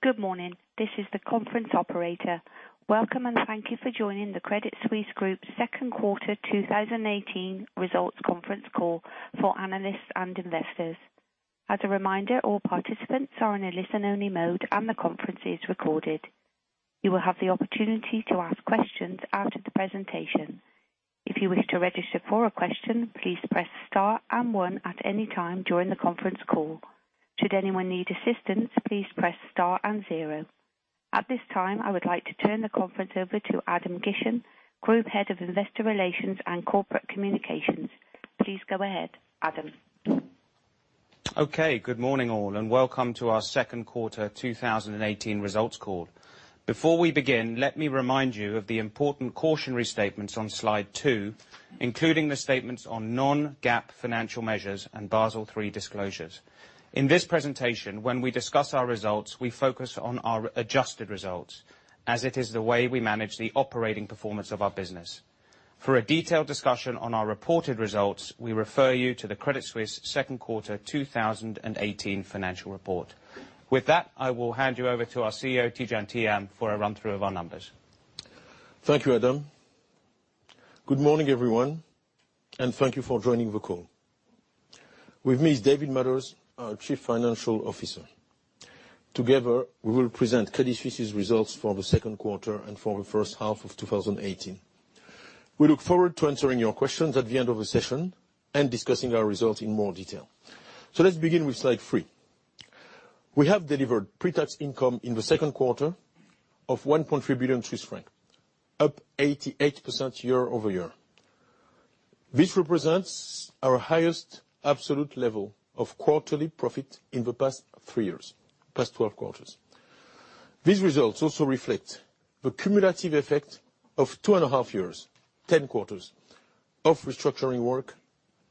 Good morning. This is the conference operator. Welcome and thank you for joining the Credit Suisse Group second quarter 2018 results conference call for analysts and investors. As a reminder, all participants are in a listen-only mode and the conference is recorded. You will have the opportunity to ask questions after the presentation. If you wish to register for a question, please press star and one at any time during the conference call. Should anyone need assistance, please press star and zero. At this time, I would like to turn the conference over to Adam Gishen, Group Head of Investor Relations and Corporate Communications. Please go ahead, Adam. Okay. Good morning, all, and welcome to our second quarter 2018 results call. Before we begin, let me remind you of the important cautionary statements on slide two, including the statements on non-GAAP financial measures and Basel III disclosures. In this presentation, when we discuss our results, we focus on our adjusted results as it is the way we manage the operating performance of our business. For a detailed discussion on our reported results, we refer you to the Credit Suisse second quarter 2018 financial report. With that, I will hand you over to our CEO, Tidjane Thiam, for a run-through of our numbers. Thank you, Adam. Good morning, everyone, and thank you for joining the call. With me is David Mathers, our Chief Financial Officer. Together, we will present Credit Suisse's results for the second quarter and for the first half of 2018. We look forward to answering your questions at the end of the session and discussing our results in more detail. Let's begin with slide three. We have delivered pre-tax income in the second quarter of 1.3 billion Swiss francs, up 88% year-over-year. This represents our highest absolute level of quarterly profit in the past three years, past 12 quarters. These results also reflect the cumulative effect of two and a half years, 10 quarters, of restructuring work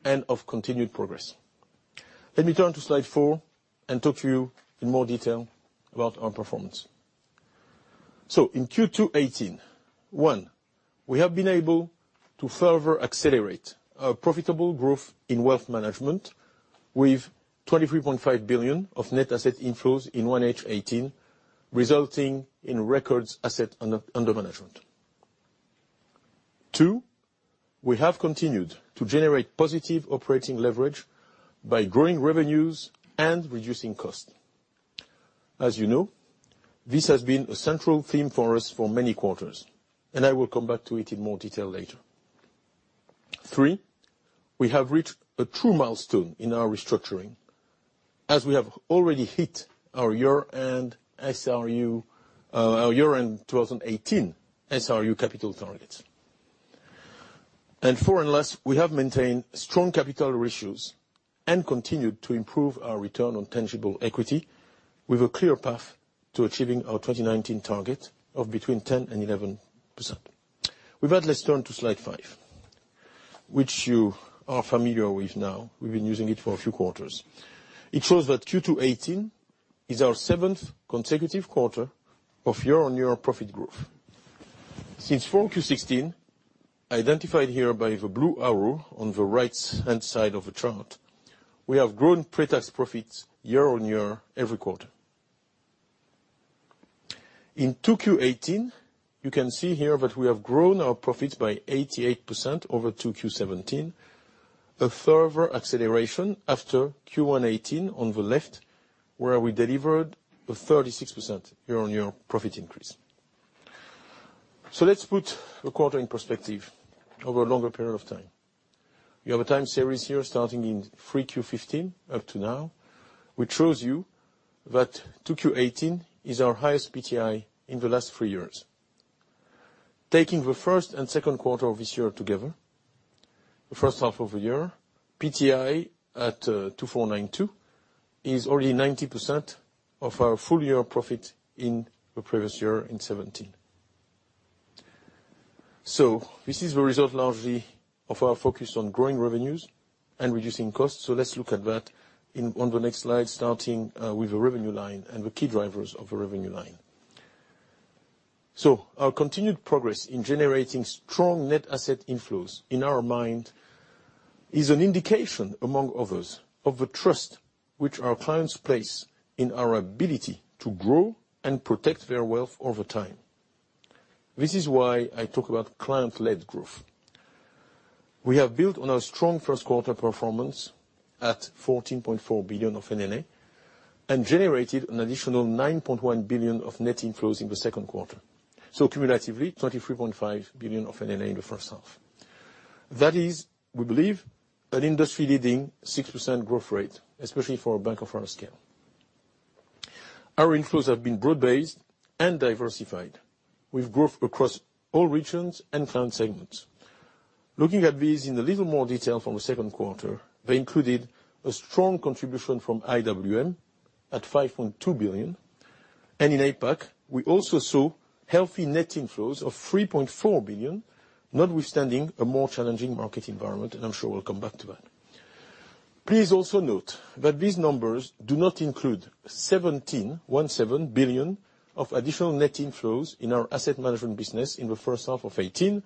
and of continued progress. Let me turn to slide four and talk to you in more detail about our performance. In Q2 2018, 1, we have been able to further accelerate our profitable growth in wealth management with 23.5 billion of net asset inflows in 1H 2018, resulting in record AUM. 2, we have continued to generate positive operating leverage by growing revenues and reducing costs. As you know, this has been a central theme for us for many quarters, and I will come back to it in more detail later. 3, we have reached a true milestone in our restructuring as we have already hit our year-end 2018 SRU capital targets. 4 and last, we have maintained strong capital ratios and continued to improve our return on tangible equity with a clear path to achieving our 2019 target of between 10%-11%. With that, let's turn to slide five, which you are familiar with now. We've been using it for a few quarters. It shows that 2Q 2018 is our seventh consecutive quarter of year-on-year profit growth. Since 4Q 2016, identified here by the blue arrow on the right-hand side of the chart, we have grown pre-tax profits year-on-year, every quarter. In 2Q 2018, you can see here that we have grown our profits by 88% over 2Q 2017, a further acceleration after 1Q 2018 on the left, where we delivered a 36% year-on-year profit increase. Let's put the quarter in perspective over a longer period of time. We have a time series here starting in 3Q 2015 up to now, which shows you that 2Q 2018 is our highest PTI in the last three years. Taking the first and second quarter of this year together, the first half of the year, PTI at 2,492 is already 90% of our full year profit in the previous year in 2017. This is the result largely of our focus on growing revenues and reducing costs. Let's look at that on the next slide, starting with the revenue line and the key drivers of the revenue line. Our continued progress in generating strong net asset inflows, in our mind, is an indication, among others, of the trust which our clients place in our ability to grow and protect their wealth over time. This is why I talk about client-led growth. We have built on our strong first quarter performance at 14.4 billion of NNA and generated an additional 9.1 billion of net inflows in the second quarter. Cumulatively, 23.5 billion of NNA in the first half. That is, we believe, an industry-leading 6% growth rate, especially for a bank of our scale. Our inflows have been broad-based and diversified, with growth across all regions and client segments. Looking at these in a little more detail from the second quarter, they included a strong contribution from IWM at 5.2 billion. In APAC, we also saw healthy net inflows of 3.4 billion, notwithstanding a more challenging market environment, and I'm sure we'll come back to that. Please also note that these numbers do not include 17 billion of additional net inflows in our asset management business in the first half of 2018,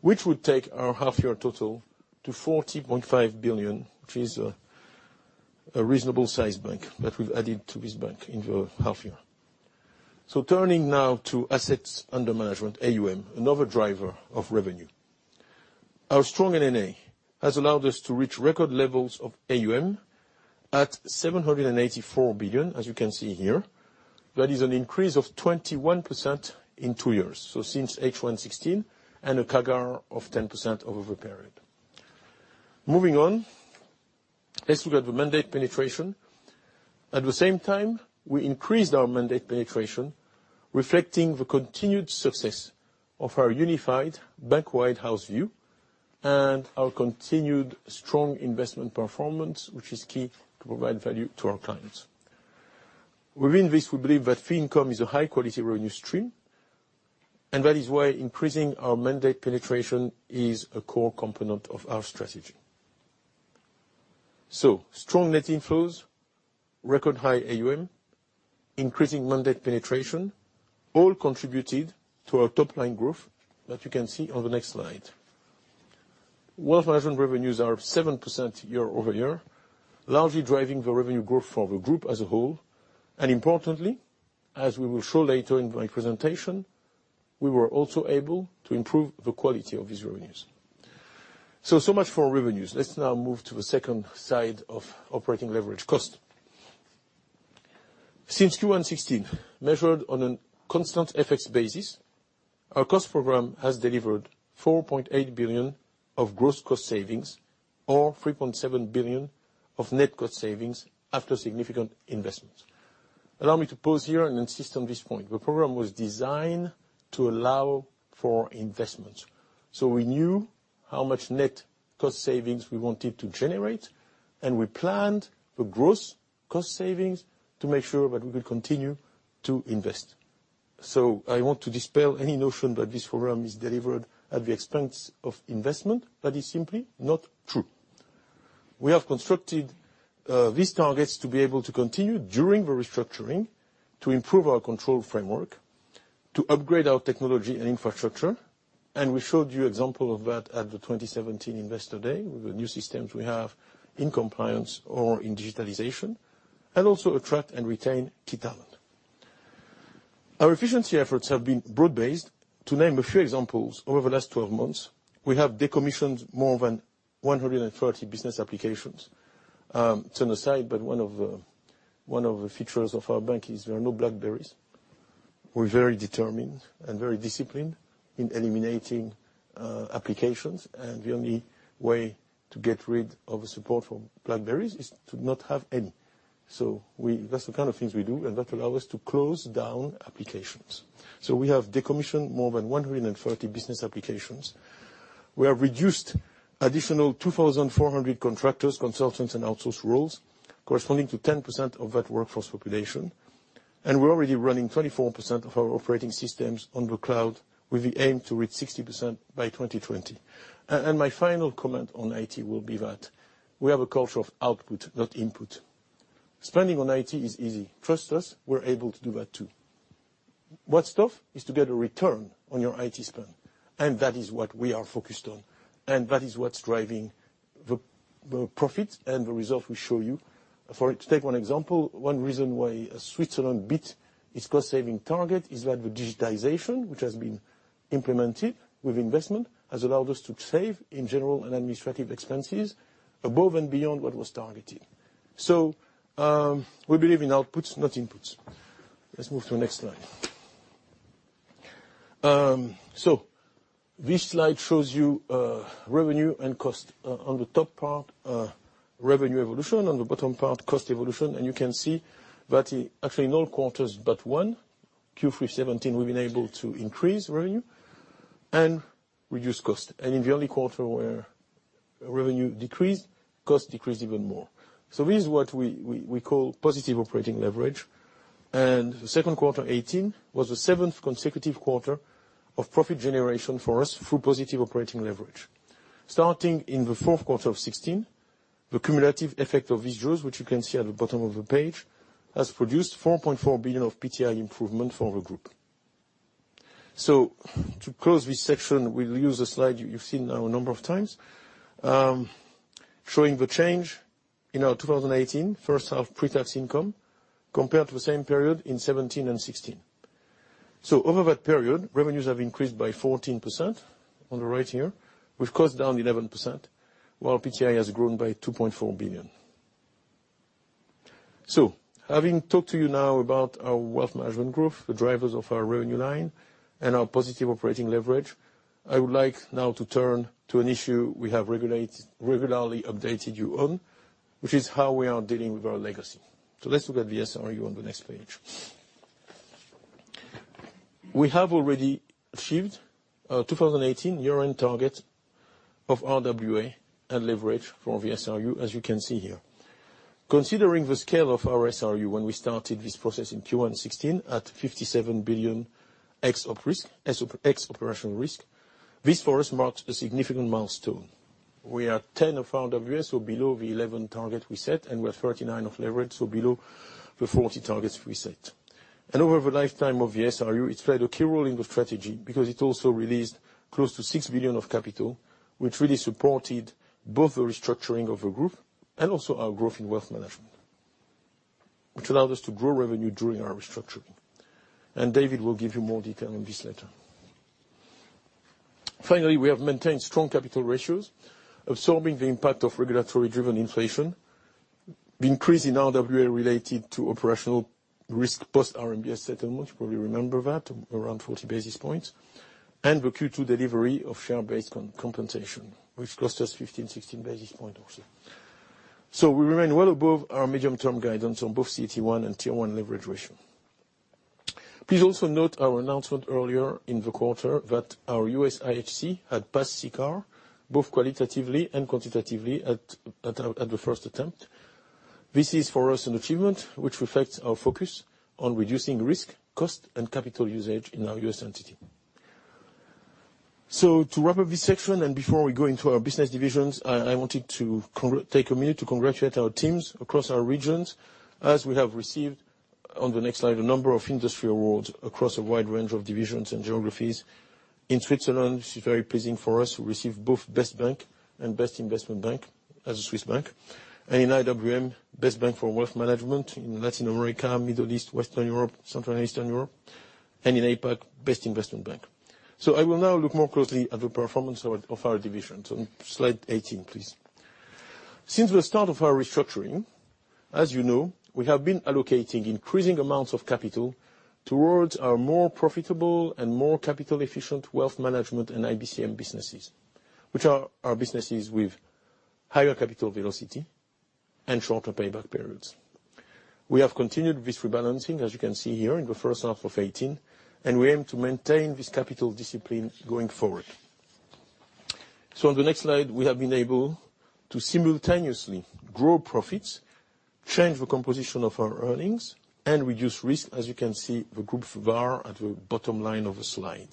which would take our half year total to 40.5 billion, which is a reasonable size bank that we've added to this bank in the half year. Turning now to assets under management, AUM, another driver of revenue. Our strong NNA has allowed us to reach record levels of AUM at 784 billion, as you can see here. That is an increase of 21% in two years, so since H1 2016, and a CAGR of 10% over the period. Moving on, let's look at the mandate penetration. At the same time, we increased our mandate penetration, reflecting the continued success of our unified bank-wide house view and our continued strong investment performance, which is key to provide value to our clients. Within this, we believe that fee income is a high-quality revenue stream, and that is why increasing our mandate penetration is a core component of our strategy. Strong net inflows, record high AUM, increasing mandate penetration, all contributed to our top-line growth that you can see on the next slide. Wealth management revenues are up 7% year-over-year, largely driving the revenue growth for the group as a whole, and importantly, as we will show later in my presentation, we were also able to improve the quality of these revenues. Much for revenues. Let's now move to the second side of operating leverage: cost. Since Q1 2016, measured on a constant FX basis, our cost program has delivered 4.8 billion of gross cost savings or 3.7 billion of net cost savings after significant investments. Allow me to pause here and insist on this point. The program was designed to allow for investments, we knew how much net cost savings we wanted to generate, and we planned the gross cost savings to make sure that we will continue to invest. I want to dispel any notion that this program is delivered at the expense of investment. That is simply not true. We have constructed these targets to be able to continue during the restructuring, to improve our control framework, to upgrade our technology and infrastructure, and we showed you example of that at the 2017 Investor Day with the new systems we have in compliance or in digitalization, and also attract and retain key talent. Our efficiency efforts have been broad-based. To name a few examples, over the last 12 months, we have decommissioned more than 130 business applications. It's an aside, but one of the features of our bank is there are no BlackBerries. We're very determined and very disciplined in eliminating applications, and the only way to get rid of support for BlackBerry is to not have any. That's the kind of things we do, and that allow us to close down applications. We have decommissioned more than 130 business applications. We have reduced additional 2,400 contractors, consultants, and outsourced roles, corresponding to 10% of that workforce population, and we're already running 24% of our operating systems on the cloud, with the aim to reach 60% by 2020. My final comment on IT will be that we have a culture of output, not input. Spending on IT is easy. Trust us, we're able to do that, too. Hard stuff is to get a return on your IT spend, and that is what we are focused on, and that is what's driving the profits and the results we show you. To take one example, one reason why Swiss Universal Bank beat its cost-saving target is that the digitalization, which has been implemented with investment, has allowed us to save in general and administrative expenses above and beyond what was targeted. We believe in outputs, not inputs. Let's move to the next slide. This slide shows you revenue and cost. On the top part, revenue evolution. On the bottom part, cost evolution. You can see that actually in all quarters but one, Q3 2017, we've been able to increase revenue and reduce cost. In the only quarter where revenue decreased, cost decreased even more. This is what we call positive operating leverage, and the second quarter 2018 was the seventh consecutive quarter of profit generation for us through positive operating leverage. Starting in the fourth quarter of 2016, the cumulative effect of these jaws, which you can see at the bottom of the page, has produced 4.4 billion of PTI improvement for the group. To close this section, we'll use a slide you've seen now a number of times, showing the change in our 2018 first half pre-tax income compared to the same period in 2017 and 2016. Over that period, revenues have increased by 14%, on the right here. We've closed down 11%, while PTI has grown by 2.4 billion. Having talked to you now about our wealth management growth, the drivers of our revenue line, and our positive operating leverage, I would like now to turn to an issue we have regularly updated you on, which is how we are dealing with our legacy. Let's look at the SRU on the next page. We have already achieved our 2018 year-end target of RWA and leverage for the SRU, as you can see here. Considering the scale of our SRU when we started this process in Q1 2016 at 57 billion ex-risk, ex-operational risk, this for us marked a significant milestone. We are 10% of RWA, so below the 11% target we set, and we're 39% of leverage, so below the 40% targets we set. Over the lifetime of the SRU, it's played a key role in the strategy because it also released close to 6 billion of capital, which really supported both the restructuring of the group and also our growth in wealth management, which allowed us to grow revenue during our restructuring. David will give you more detail on this later. Finally, we have maintained strong capital ratios, absorbing the impact of regulatory-driven inflation, the increase in RWA related to operational risk post RMBS settlement, you probably remember that, around 40 basis points, and the Q2 delivery of share-based compensation, which cost us 15-16 basis points also. We remain well above our medium-term guidance on both CET1 and Tier 1 leverage ratio. Please also note our announcement earlier in the quarter that our U.S. IHC had passed CCAR, both qualitatively and quantitatively at the first attempt. This is, for us, an achievement which reflects our focus on reducing risk, cost, and capital usage in our U.S. entity. To wrap up this section and before we go into our business divisions, I wanted to take a minute to congratulate our teams across our regions as we have received, on the next slide, a number of industry awards across a wide range of divisions and geographies. In Switzerland, which is very pleasing for us, we received both best bank and best investment bank as a Swiss bank, and in IWM, best bank for wealth management in Latin America, Middle East, Western Europe, Central and Eastern Europe. In APAC, best investment bank. I will now look more closely at the performance of our divisions on Slide 18, please. Since the start of our restructuring, as you know, we have been allocating increasing amounts of capital towards our more profitable and more capital-efficient wealth management and IBCM businesses, which are our businesses with higher capital velocity and shorter payback periods. We have continued this rebalancing, as you can see here, in the first half of 2018, and we aim to maintain this capital discipline going forward. On the next slide, we have been able to simultaneously grow profits, change the composition of our earnings, and reduce risk, as you can see the group's bar at the bottom line of the slide.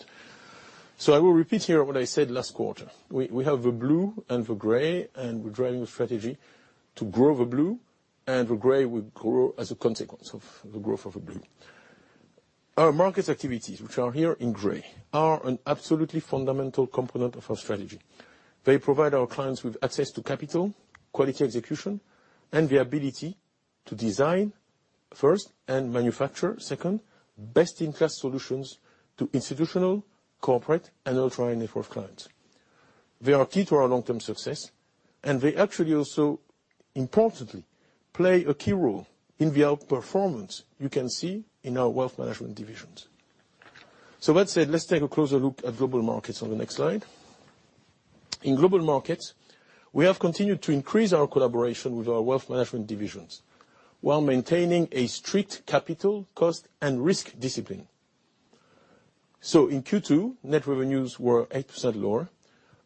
I will repeat here what I said last quarter. We have the blue and the gray, we're driving the strategy to grow the blue, the gray will grow as a consequence of the growth of the blue. Our markets activities, which are here in gray, are an absolutely fundamental component of our strategy. They provide our clients with access to capital, quality execution, and the ability to design, first, and manufacture, second, best-in-class solutions to institutional, corporate, and ultra-high-net-worth clients. They are key to our long-term success, and they actually also, importantly, play a key role in the outperformance you can see in our wealth management divisions. That said, let's take a closer look at Global Markets on the next slide. In Global Markets, we have continued to increase our collaboration with our wealth management divisions while maintaining a strict capital, cost, and risk discipline. In Q2, net revenues were 8% lower,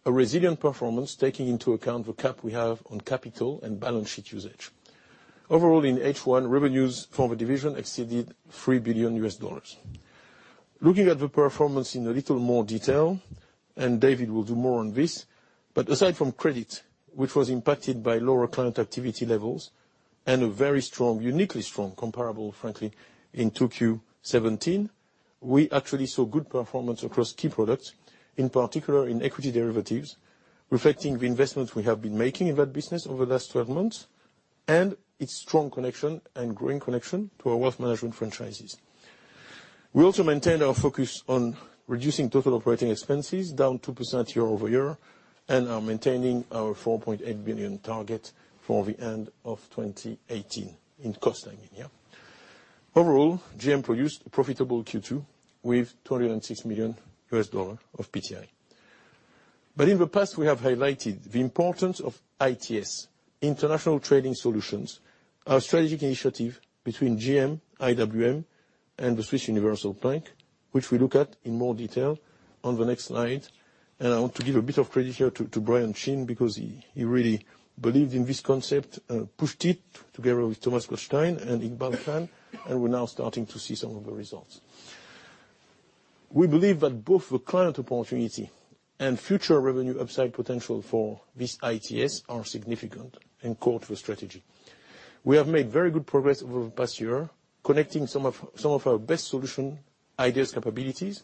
a resilient performance taking into account the cap we have on capital and balance sheet usage. Overall, in H1, revenues for the division exceeded $3 billion. Looking at the performance in a little more detail, David will do more on this, aside from credit, which was impacted by lower client activity levels and a very strong, uniquely strong, comparable, frankly, in 2Q 2017, we actually saw good performance across key products, in particular in equity derivatives, reflecting the investments we have been making in that business over the last 12 months and its strong connection and growing connection to our wealth management franchises. We also maintained our focus on reducing total operating expenses, down 2% year-over-year, and are maintaining our 4.8 billion target for the end of 2018 in cost savings. Overall, GM produced a profitable Q2 with $206 million of PTI. In the past, we have highlighted the importance of ITS, International Trading Solutions, our strategic initiative between GM, IWM, and the Swiss Universal Bank, which we look at in more detail on the next slide. I want to give a bit of credit here to Brian Chin because he really believed in this concept and pushed it together with Thomas Gottstein and Iqbal Khan, we're now starting to see some of the results. We believe that both the client opportunity and future revenue upside potential for this ITS are significant and core to the strategy. We have made very good progress over the past year, connecting some of our best solution ideas capabilities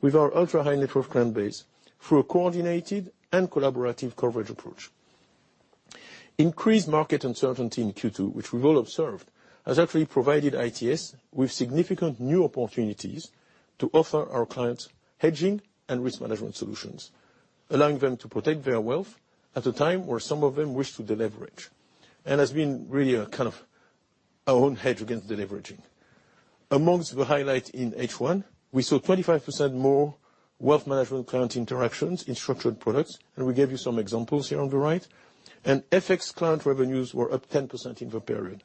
with our ultra-high-net-worth client base through a coordinated and collaborative coverage approach. Increased market uncertainty in Q2, which we've all observed, has actually provided ITS with significant new opportunities to offer our clients hedging and risk management solutions, allowing them to protect their wealth at a time where some of them wish to deleverage and has been really a kind of our own hedge against deleveraging. Amongst the highlight in H1, we saw 25% more wealth management client interactions in structured products, we gave you some examples here on the right. FX client revenues were up 10% in the period.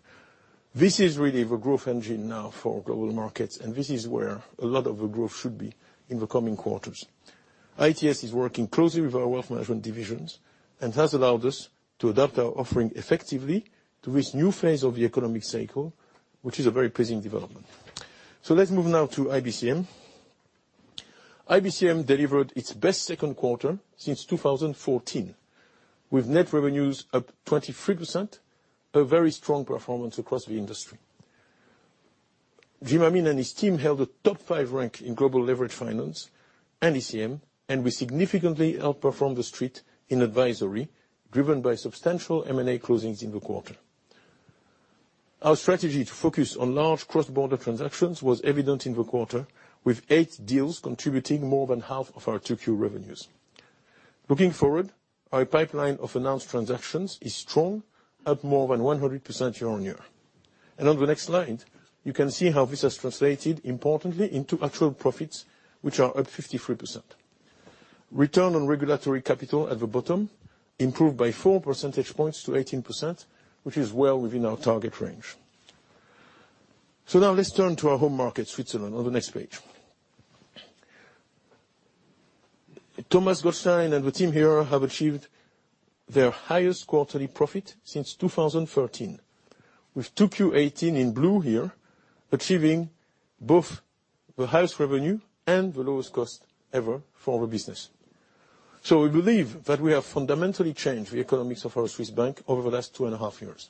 This is really the growth engine now for Global Markets, this is where a lot of the growth should be in the coming quarters. ITS is working closely with our wealth management divisions and has allowed us to adapt our offering effectively to this new phase of the economic cycle, which is a very pleasing development. Let's move now to IBCM. IBCM delivered its best second quarter since 2014, with net revenues up 23%, a very strong performance across the industry. Jim Amine and his team held a top five rank in global leverage finance and ECM, and we significantly outperformed the Street in advisory, driven by substantial M&A closings in the quarter. Our strategy to focus on large cross-border transactions was evident in the quarter, with eight deals contributing more than half of our 2Q revenues. Looking forward, our pipeline of announced transactions is strong, up more than 100% year-on-year. On the next slide, you can see how this has translated importantly into actual profits, which are up 53%. Return on regulatory capital at the bottom improved by 4 percentage points to 18%, which is well within our target range. Now let's turn to our home market, Switzerland, on the next page. Thomas Gottstein and the team here have achieved their highest quarterly profit since 2013, with 2Q18 in blue here, achieving both the highest revenue and the lowest cost ever for our business. We believe that we have fundamentally changed the economics of our Swiss bank over the last two and a half years.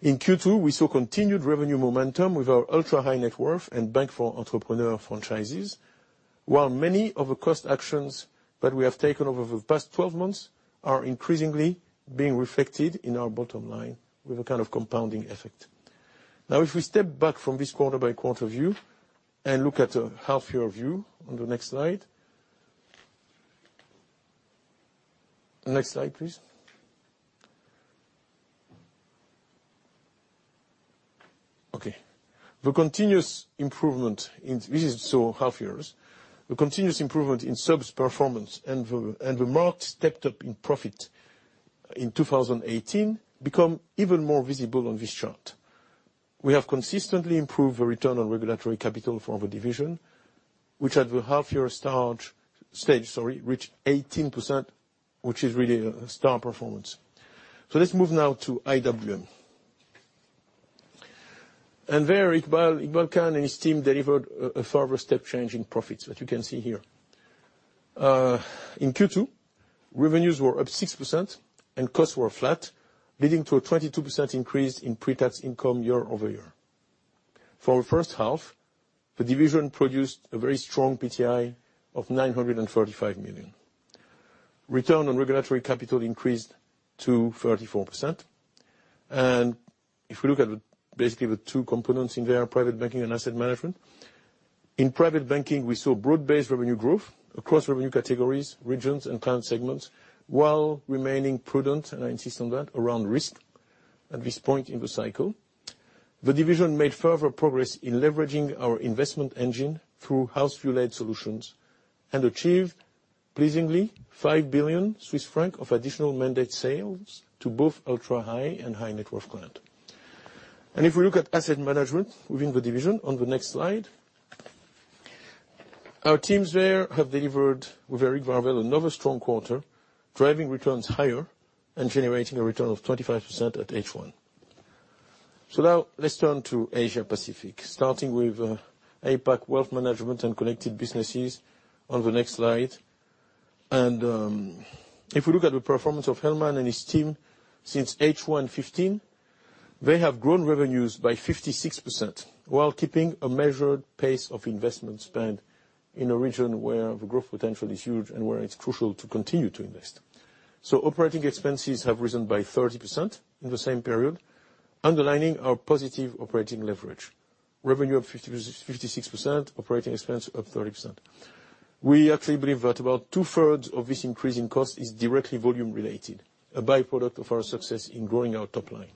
In Q2, we saw continued revenue momentum with our ultra-high net worth and bank for entrepreneur franchises. While many of the cost actions that we have taken over the past 12 months are increasingly being reflected in our bottom line with a kind of compounding effect. If we step back from this quarter-by-quarter view and look at a half-year view on the next slide. Next slide, please. Okay. This is half years. The continuous improvement in SUB's performance and the marked stepped-up in profit in 2018 become even more visible on this chart. We have consistently improved the return on regulatory capital for the division, which at the half-year stage, reached 18%, which is really a star performance. Let's move now to IWM. There, Iqbal Khan and his team delivered a further step change in profits, that you can see here. In Q2, revenues were up 6% and costs were flat, leading to a 22% increase in pre-tax income year-over-year. For the first half, the division produced a very strong PTI of 935 million. Return on regulatory capital increased to 34%. If we look at basically the two components in there, private banking and asset management. In private banking, we saw broad-based revenue growth across revenue categories, regions, and client segments, while remaining prudent, and I insist on that, around risk at this point in the cycle. The division made further progress in leveraging our investment engine through house-view-led solutions and achieved, pleasingly, 5 billion Swiss francs of additional mandate sales to both ultra high and high net worth client. If we look at asset management within the division on the next slide, our teams there have delivered, with Eric Varvel, another strong quarter, driving returns higher and generating a return of 25% at H1. Now let's turn to Asia-Pacific, starting with APAC Wealth Management and Connected Businesses on the next slide. If we look at the performance of Helman and his team since H1 2015, they have grown revenues by 56% while keeping a measured pace of investment spend in a region where the growth potential is huge and where it's crucial to continue to invest. Operating expenses have risen by 30% in the same period, underlining our positive operating leverage. Revenue up 56%, operating expense up 30%. We actually believe that about two-thirds of this increase in cost is directly volume related, a byproduct of our success in growing our top line.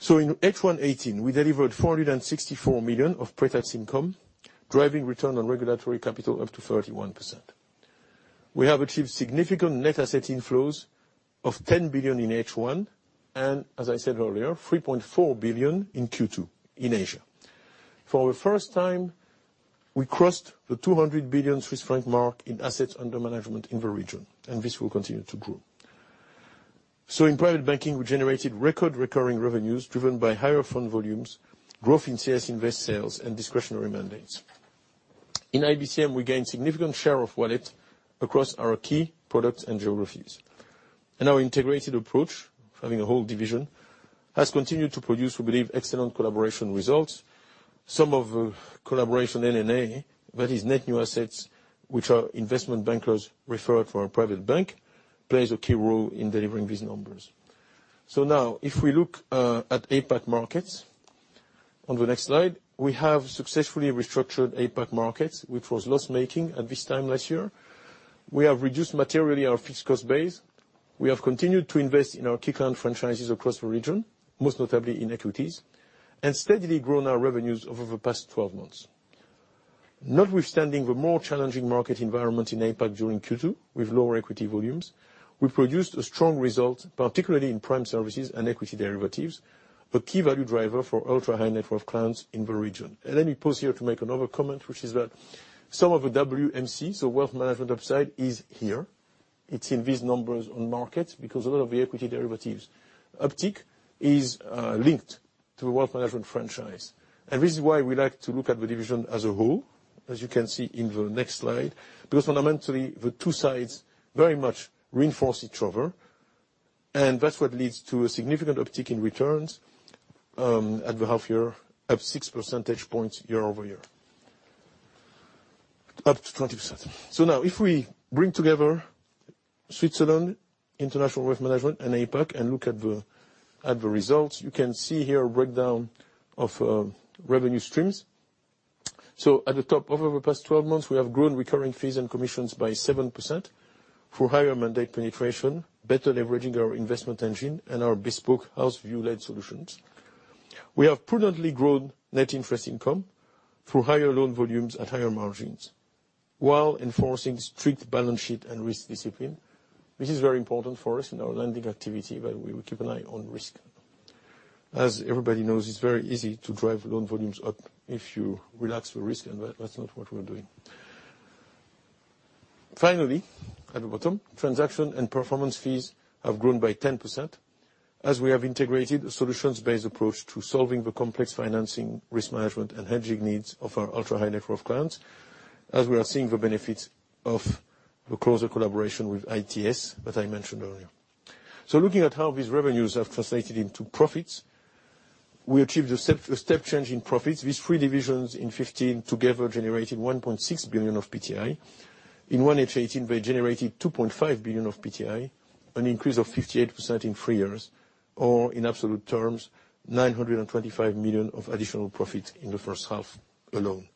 In H1 2018, we delivered 464 million of pre-tax income, driving return on regulatory capital up to 31%. We have achieved significant net asset inflows of 10 billion in H1, and as I said earlier, 3.4 billion in Q2 in Asia. For the first time, we crossed the 200 billion Swiss franc mark in assets under management in the region, and this will continue to grow. In private banking, we generated record recurring revenues driven by higher fund volumes, growth in CS Invest sales, and discretionary mandates. In IBCM, we gained significant share of wallet across our key products and geographies. Our integrated approach, having a whole division, has continued to produce, we believe, excellent collaboration results. Some of the collaboration NNA, that is net new assets, which are investment bankers referred for a private bank, plays a key role in delivering these numbers. Now, if we look at APAC Markets on the next slide, we have successfully restructured APAC Markets, which was loss-making at this time last year. We have reduced materially our fixed cost base. We have continued to invest in our key client franchises across the region, most notably in equities, and steadily grown our revenues over the past 12 months. Notwithstanding the more challenging market environment in APAC during Q2 with lower equity volumes, we produced a strong result, particularly in prime services and equity derivatives, a key value driver for ultra-high-net-worth clients in the region. Let me pause here to make another comment, which is that some of the WMC, so Wealth Management upside, is here. It's in these numbers on market, because a lot of the equity derivatives uptick is linked to the wealth management franchise. This is why we like to look at the division as a whole, as you can see in the next slide. Because fundamentally, the two sides very much reinforce each other, and that's what leads to a significant uptick in returns at the half year, up 6 percentage points year-over-year, up to 20%. Now, if we bring together Switzerland International Wealth Management and APAC and look at the results, you can see here a breakdown of revenue streams. At the top, over the past 12 months, we have grown recurring fees and commissions by 7% through higher mandate penetration, better leveraging our investment engine, and our bespoke house view-led solutions. We have prudently grown net interest income through higher loan volumes at higher margins while enforcing strict balance sheet and risk discipline, which is very important for us in our lending activity, where we will keep an eye on risk. As everybody knows, it's very easy to drive loan volumes up if you relax the risk, and that's not what we're doing. Finally, at the bottom, transaction and performance fees have grown by 10%, as we have integrated a solutions-based approach to solving the complex financing, risk management, and hedging needs of our ultra-high-net-worth clients, as we are seeing the benefits of the closer collaboration with ITS that I mentioned earlier. Looking at how these revenues have translated into profits, we achieved a step change in profits. These three divisions in 2015 together generated 1.6 billion of PTI. In 1H18, they generated 2.5 billion of PTI, an increase of 58% in three years, or in absolute terms, 925 million of additional profits in the first half alone.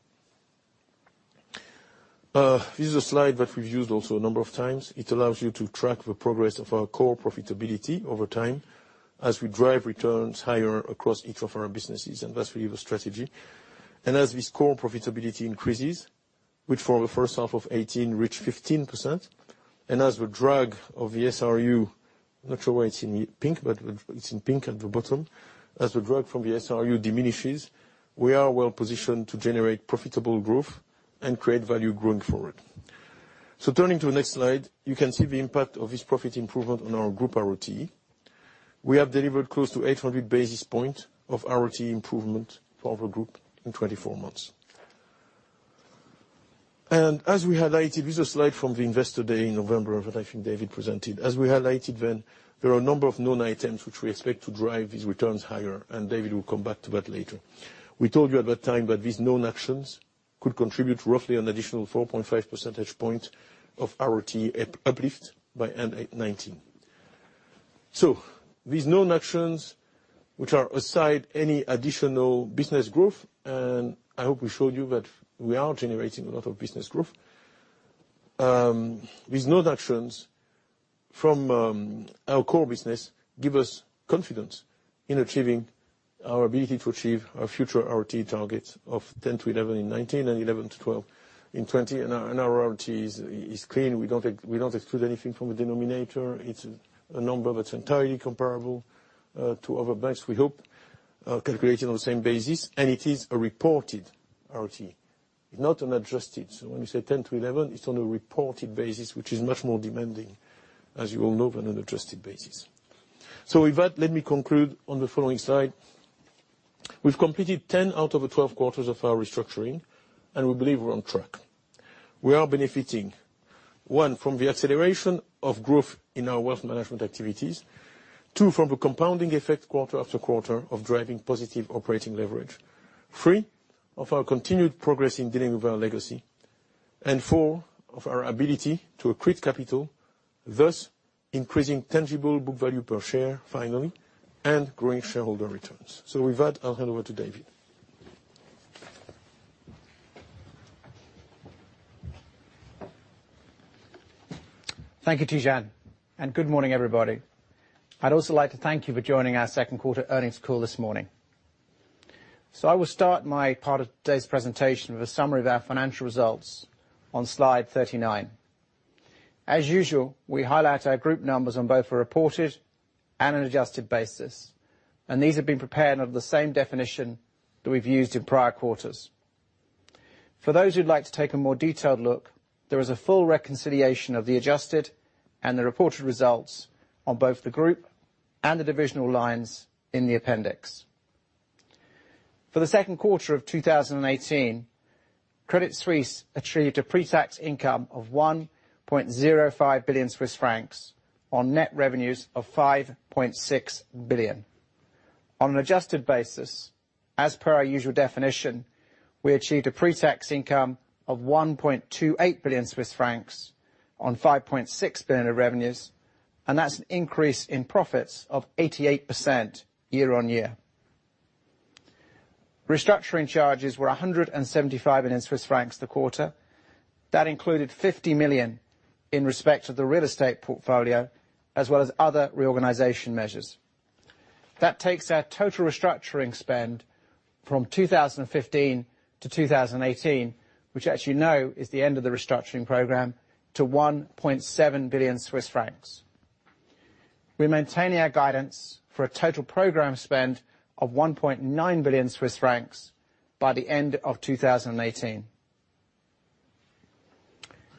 This is a slide that we've used also a number of times. It allows you to track the progress of our core profitability over time as we drive returns higher across each of our businesses, that's really the strategy. As this core profitability increases, which for the first half of 2018, reached 15%, as the drag of the SRU, not sure why it's in pink, but it's in pink at the bottom. As the drag from the SRU diminishes, we are well positioned to generate profitable growth and create value going forward. Turning to the next slide, you can see the impact of this profit improvement on our group ROT. We have delivered close to 800 basis points of ROT improvement for the group in 24 months. As we highlighted, this is a slide from the Investor Day in November that I think David presented. As we highlighted then, there are a number of known items which we expect to drive these returns higher, David will come back to that later. We told you at that time that these known actions could contribute roughly an additional 4.5 percentage points of ROT uplift by end of 2019. These known actions, which are aside any additional business growth, I hope we showed you that we are generating a lot of business growth. These known actions from our core business give us confidence in achieving our ability to achieve our future ROT target of 10-11 in 2019, and 11-12 in 2020. Our ROT is clean. We don't exclude anything from the denominator. It's a number that's entirely comparable to other banks, we hope, calculated on the same basis, and it is a reported ROT, not an adjusted. When we say 10-11, it's on a reported basis, which is much more demanding, as you all know, than an adjusted basis. With that, let me conclude on the following slide. We've completed 10 out of the 12 quarters of our restructuring, and we believe we're on track. We are benefiting, one, from the acceleration of growth in our wealth management activities. Two, from the compounding effect quarter after quarter of driving positive operating leverage. Three, of our continued progress in dealing with our legacy. Four, of our ability to accrete capital, thus increasing tangible book value per share, finally, and growing shareholder returns. With that, I'll hand over to David. Thank you, Tidjane, and good morning, everybody. I'd also like to thank you for joining our second quarter earnings call this morning. I will start my part of today's presentation with a summary of our financial results on slide 39. As usual, we highlight our group numbers on both a reported and an adjusted basis, and these have been prepared under the same definition that we've used in prior quarters. For those who'd like to take a more detailed look, there is a full reconciliation of the adjusted and the reported results on both the group and the divisional lines in the appendix. For the second quarter of 2018, Credit Suisse attributed a pre-tax income of 1.05 billion Swiss francs on net revenues of 5.6 billion. On an adjusted basis, as per our usual definition, we achieved a pre-tax income of 1.28 billion Swiss francs on 5.6 billion of revenues, and that's an increase in profits of 88% year-on-year. Restructuring charges were 175 million Swiss francs this quarter. That included 50 million in respect of the real estate portfolio, as well as other reorganization measures. That takes our total restructuring spend from 2015 to 2018, which as you know, is the end of the restructuring program, to 1.7 billion Swiss francs. We're maintaining our guidance for a total program spend of 1.9 billion Swiss francs by the end of 2018.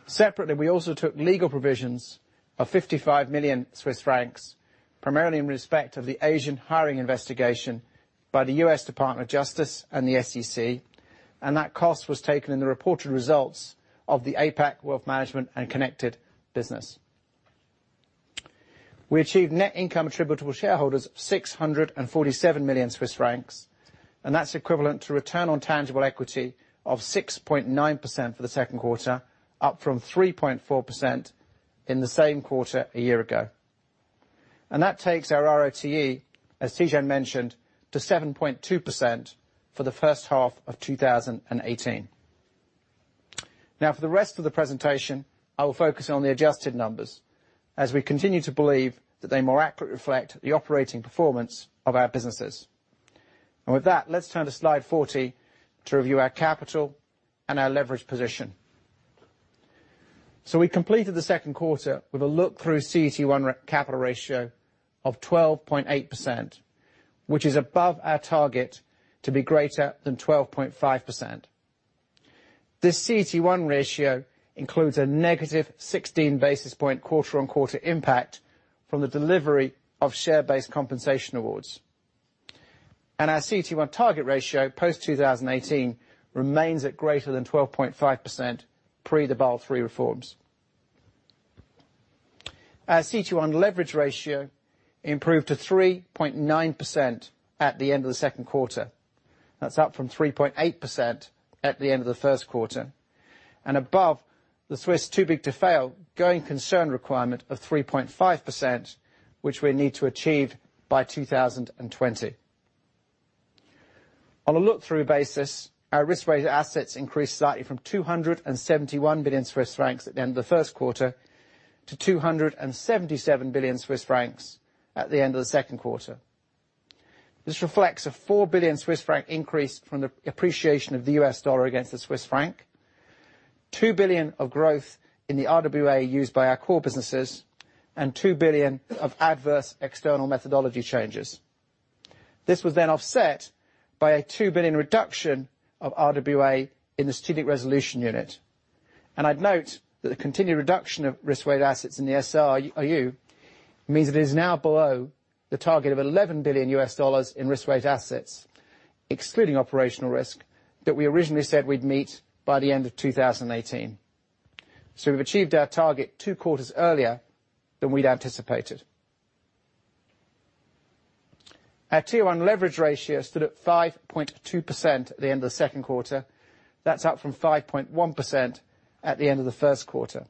Separately, we also took legal provisions of 55 million Swiss francs, primarily in respect of the Asian hiring investigation by the U.S. Department of Justice and the SEC, and that cost was taken in the reported results of the APAC wealth management and connected business. We achieved net income attributable to shareholders of 647 million Swiss francs, and that's equivalent to return on tangible equity of 6.9% for the second quarter, up from 3.4% in the same quarter a year ago. That takes our ROTE, as Tidjane mentioned, to 7.2% for the first half of 2018. For the rest of the presentation, I will focus on the adjusted numbers as we continue to believe that they more accurately reflect the operating performance of our businesses. With that, let's turn to slide 40 to review our capital and our leverage position. We completed the second quarter with a look-through CET1 capital ratio of 12.8%, which is above our target to be greater than 12.5%. This CET1 ratio includes a negative 16-basis-point quarter-on-quarter impact from the delivery of share-based compensation awards. Our CET1 target ratio post-2018 remains at greater than 12.5% pre the Basel III reforms. Our CET1 leverage ratio improved to 3.9% at the end of the second quarter. That's up from 3.8% at the end of the first quarter, and above the Swiss too-big-to-fail going concern requirement of 3.5%, which we need to achieve by 2020. On a look-through basis, our risk-weighted assets increased slightly from 271 billion Swiss francs at the end of the first quarter to 277 billion Swiss francs at the end of the second quarter. This reflects a 4 billion Swiss franc increase from the appreciation of the U.S. dollar against the Swiss franc, 2 billion of growth in the RWA used by our core businesses, and 2 billion of adverse external methodology changes. This was then offset by a 2 billion reduction of RWA in the Strategic Resolution Unit. I would note that the continued reduction of risk-weighted assets in the SRU means it is now below the target of $11 billion in risk-weighted assets, excluding operational risk, that we originally said we would meet by the end of 2018. We have achieved our target two quarters earlier than we had anticipated. Our Tier 1 leverage ratio stood at 5.2% at the end of the second quarter. That is up from 5.1% at the end of the first quarter.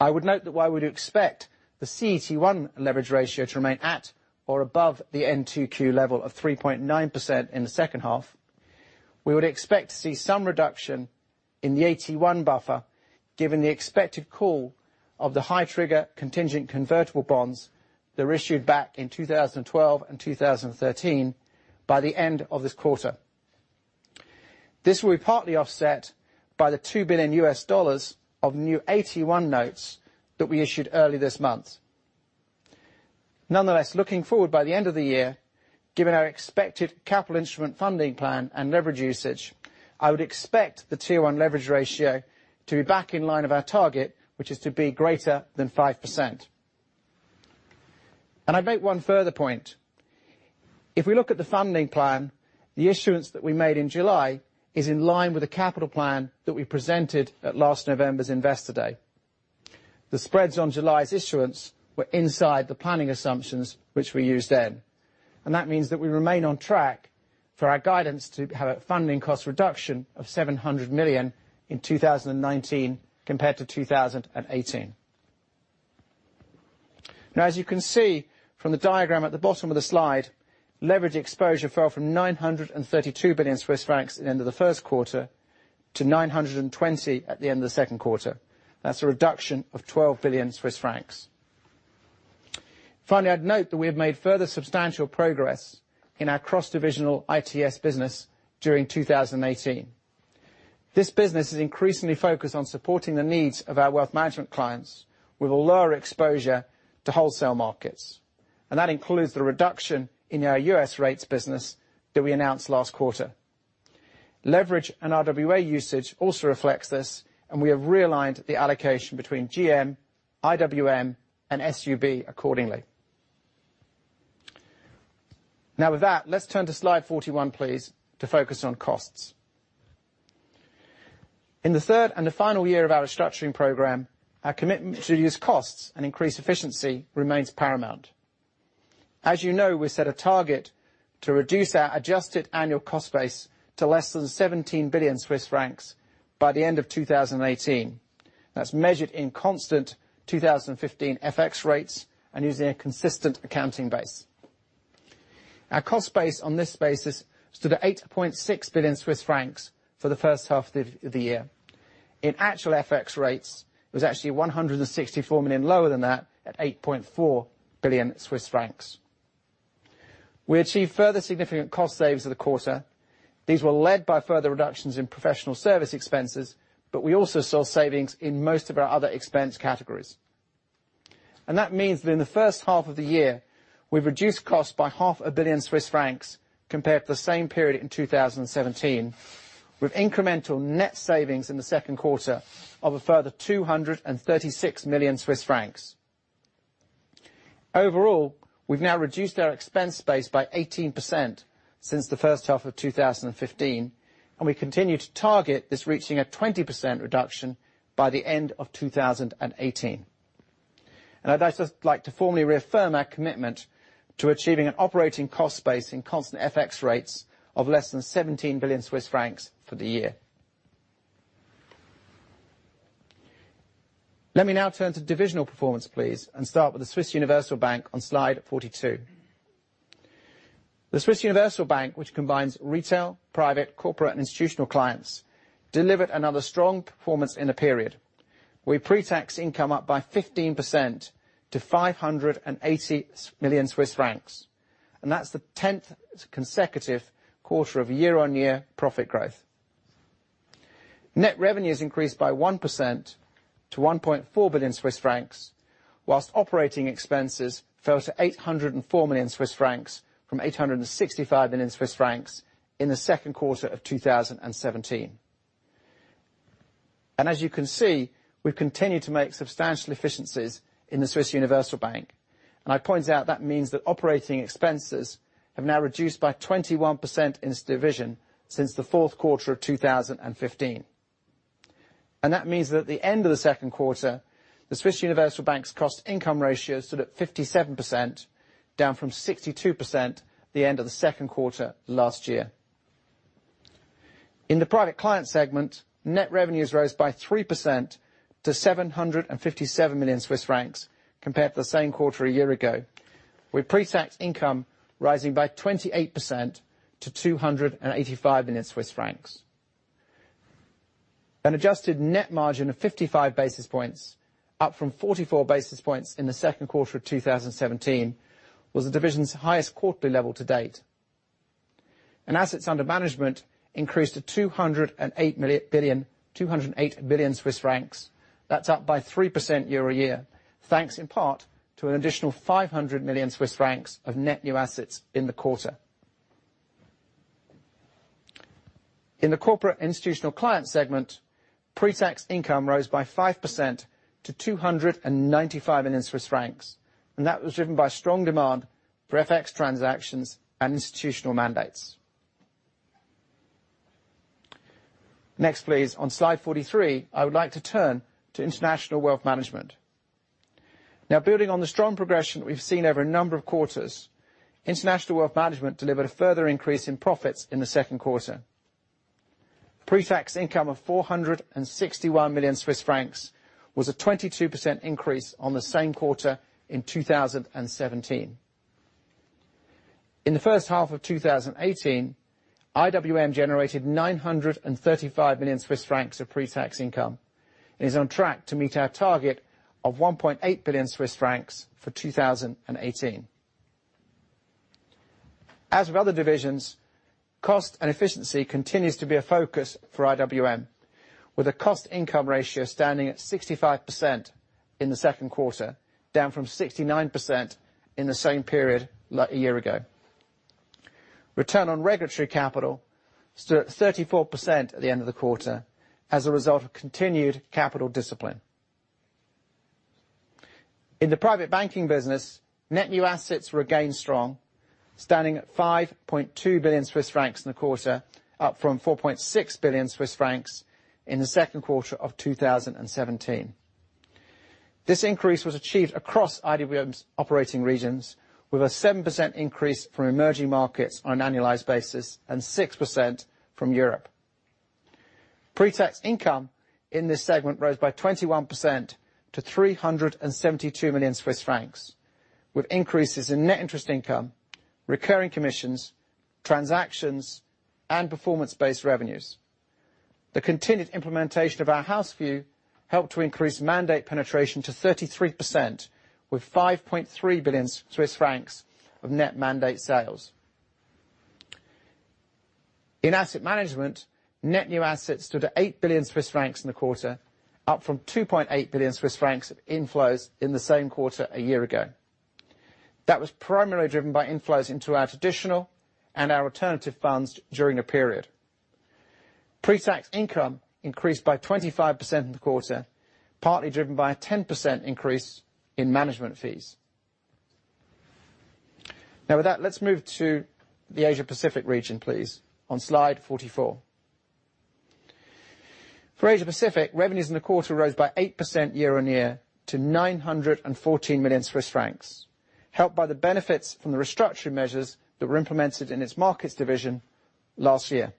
I would note that while we do expect the CET1 leverage ratio to remain at or above the end 2Q level of 3.9% in the second half, we would expect to see some reduction in the AT1 buffer, given the expected call of the high-trigger contingent convertible bonds that were issued back in 2012 and 2013 by the end of this quarter. This will be partly offset by the $2 billion of new AT1 notes that we issued early this month. Nonetheless, looking forward by the end of the year, given our expected capital instrument funding plan and leverage usage, I would expect the Tier 1 leverage ratio to be back in line with our target, which is to be greater than 5%. I make one further point. If we look at the funding plan, the issuance that we made in July is in line with the capital plan that we presented at last November's investor day. The spreads on July's issuance were inside the planning assumptions which we used then, and that means that we remain on track for our guidance to have a funding cost reduction of 700 million in 2019 compared to 2018. As you can see from the diagram at the bottom of the slide, leverage exposure fell from 932 billion Swiss francs at the end of the first quarter to 920 billion at the end of the second quarter. That is a reduction of 12 billion Swiss francs. Finally, I would note that we have made further substantial progress in our cross-divisional ITS business during 2018. This business is increasingly focused on supporting the needs of our wealth management clients with a lower exposure to wholesale markets, and that includes the reduction in our U.S. rates business that we announced last quarter. Leverage and RWA usage also reflects this, and we have realigned the allocation between GM, IWM, and SUB accordingly. With that, let us turn to slide 41, please, to focus on costs. In the third and the final year of our restructuring program, our commitment to reduce costs and increase efficiency remains paramount. As you know, we set a target to reduce our adjusted annual cost base to less than 17 billion Swiss francs by the end of 2018. That is measured in constant 2015 FX rates and using a consistent accounting base. Our cost base on this basis stood at 8.6 billion Swiss francs for the first half of the year. In actual FX rates, it was actually 164 million lower than that at 8.4 billion Swiss francs. We achieved further significant cost saves for the quarter. These were led by further reductions in professional service expenses, but we also saw savings in most of our other expense categories. That means that in the first half of the year, we've reduced costs by half a billion Swiss francs compared to the same period in 2017, with incremental net savings in the second quarter of a further 236 million Swiss francs. Overall, we've now reduced our expense base by 18% since the first half of 2015, and we continue to target this reaching a 20% reduction by the end of 2018. I'd also like to formally reaffirm our commitment to achieving an operating cost base in constant FX rates of less than 17 billion Swiss francs for the year. Let me now turn to divisional performance, please, and start with the Swiss Universal Bank on slide 42. The Swiss Universal Bank, which combines retail, private, corporate, and institutional clients, delivered another strong performance in the period, with pretax income up by 15% to 580 million Swiss francs. That's the tenth consecutive quarter of year-on-year profit growth. Net revenues increased by 1% to 1.4 billion Swiss francs, whilst operating expenses fell to 804 million Swiss francs from 865 million Swiss francs in the second quarter of 2017. As you can see, we've continued to make substantial efficiencies in the Swiss Universal Bank. I point out that means that operating expenses have now reduced by 21% in this division since the fourth quarter of 2015. That means that at the end of the second quarter, the Swiss Universal Bank's cost-income ratio stood at 57%, down from 62% at the end of the second quarter last year. In the private client segment, net revenues rose by 3% to 757 million Swiss francs compared to the same quarter a year ago, with pretax income rising by 28% to 285 million Swiss francs. An adjusted net margin of 55 basis points, up from 44 basis points in the second quarter of 2017, was the division's highest quarterly level to date. Assets under management increased to 208 billion. That's up by 3% year-on-year, thanks in part to an additional 500 million Swiss francs of net new assets in the quarter. In the corporate institutional client segment, pretax income rose by 5% to 295 million Swiss francs. That was driven by strong demand for FX transactions and institutional mandates. Next, please. On slide 43, I would like to turn to International Wealth Management. Building on the strong progression we've seen over a number of quarters, International Wealth Management delivered a further increase in profits in the second quarter. Pretax income of 461 million Swiss francs was a 22% increase on the same quarter in 2017. In the first half of 2018, IWM generated 935 million Swiss francs of pretax income and is on track to meet our target of 1.8 billion Swiss francs for 2018. As with other divisions, cost and efficiency continues to be a focus for IWM, with a cost-income ratio standing at 65% in the second quarter, down from 69% in the same period a year ago. Return on regulatory capital stood at 34% at the end of the quarter as a result of continued capital discipline. In the private banking business, net new assets were again strong, standing at 5.2 billion Swiss francs in the quarter, up from 4.6 billion Swiss francs in the second quarter of 2017. This increase was achieved across IWM's operating regions, with a 7% increase from emerging markets on an annualized basis and 6% from Europe. Pretax income in this segment rose by 21% to 372 million Swiss francs, with increases in net interest income, recurring commissions, transactions, and performance-based revenues. The continued implementation of our house view helped to increase mandate penetration to 33%, with 5.3 billion Swiss francs of net mandate sales. In asset management, net new assets stood at 8 billion Swiss francs in the quarter, up from 2.8 billion Swiss francs of inflows in the same quarter a year ago. That was primarily driven by inflows into our traditional and our alternative funds during the period. Pretax income increased by 25% in the quarter, partly driven by a 10% increase in management fees. Now with that, let's move to the Asia-Pacific region, please, on slide 44. For Asia-Pacific, revenues in the quarter rose by 8% year-on-year to 914 million Swiss francs, helped by the benefits from the restructuring measures that were implemented in its markets division last year.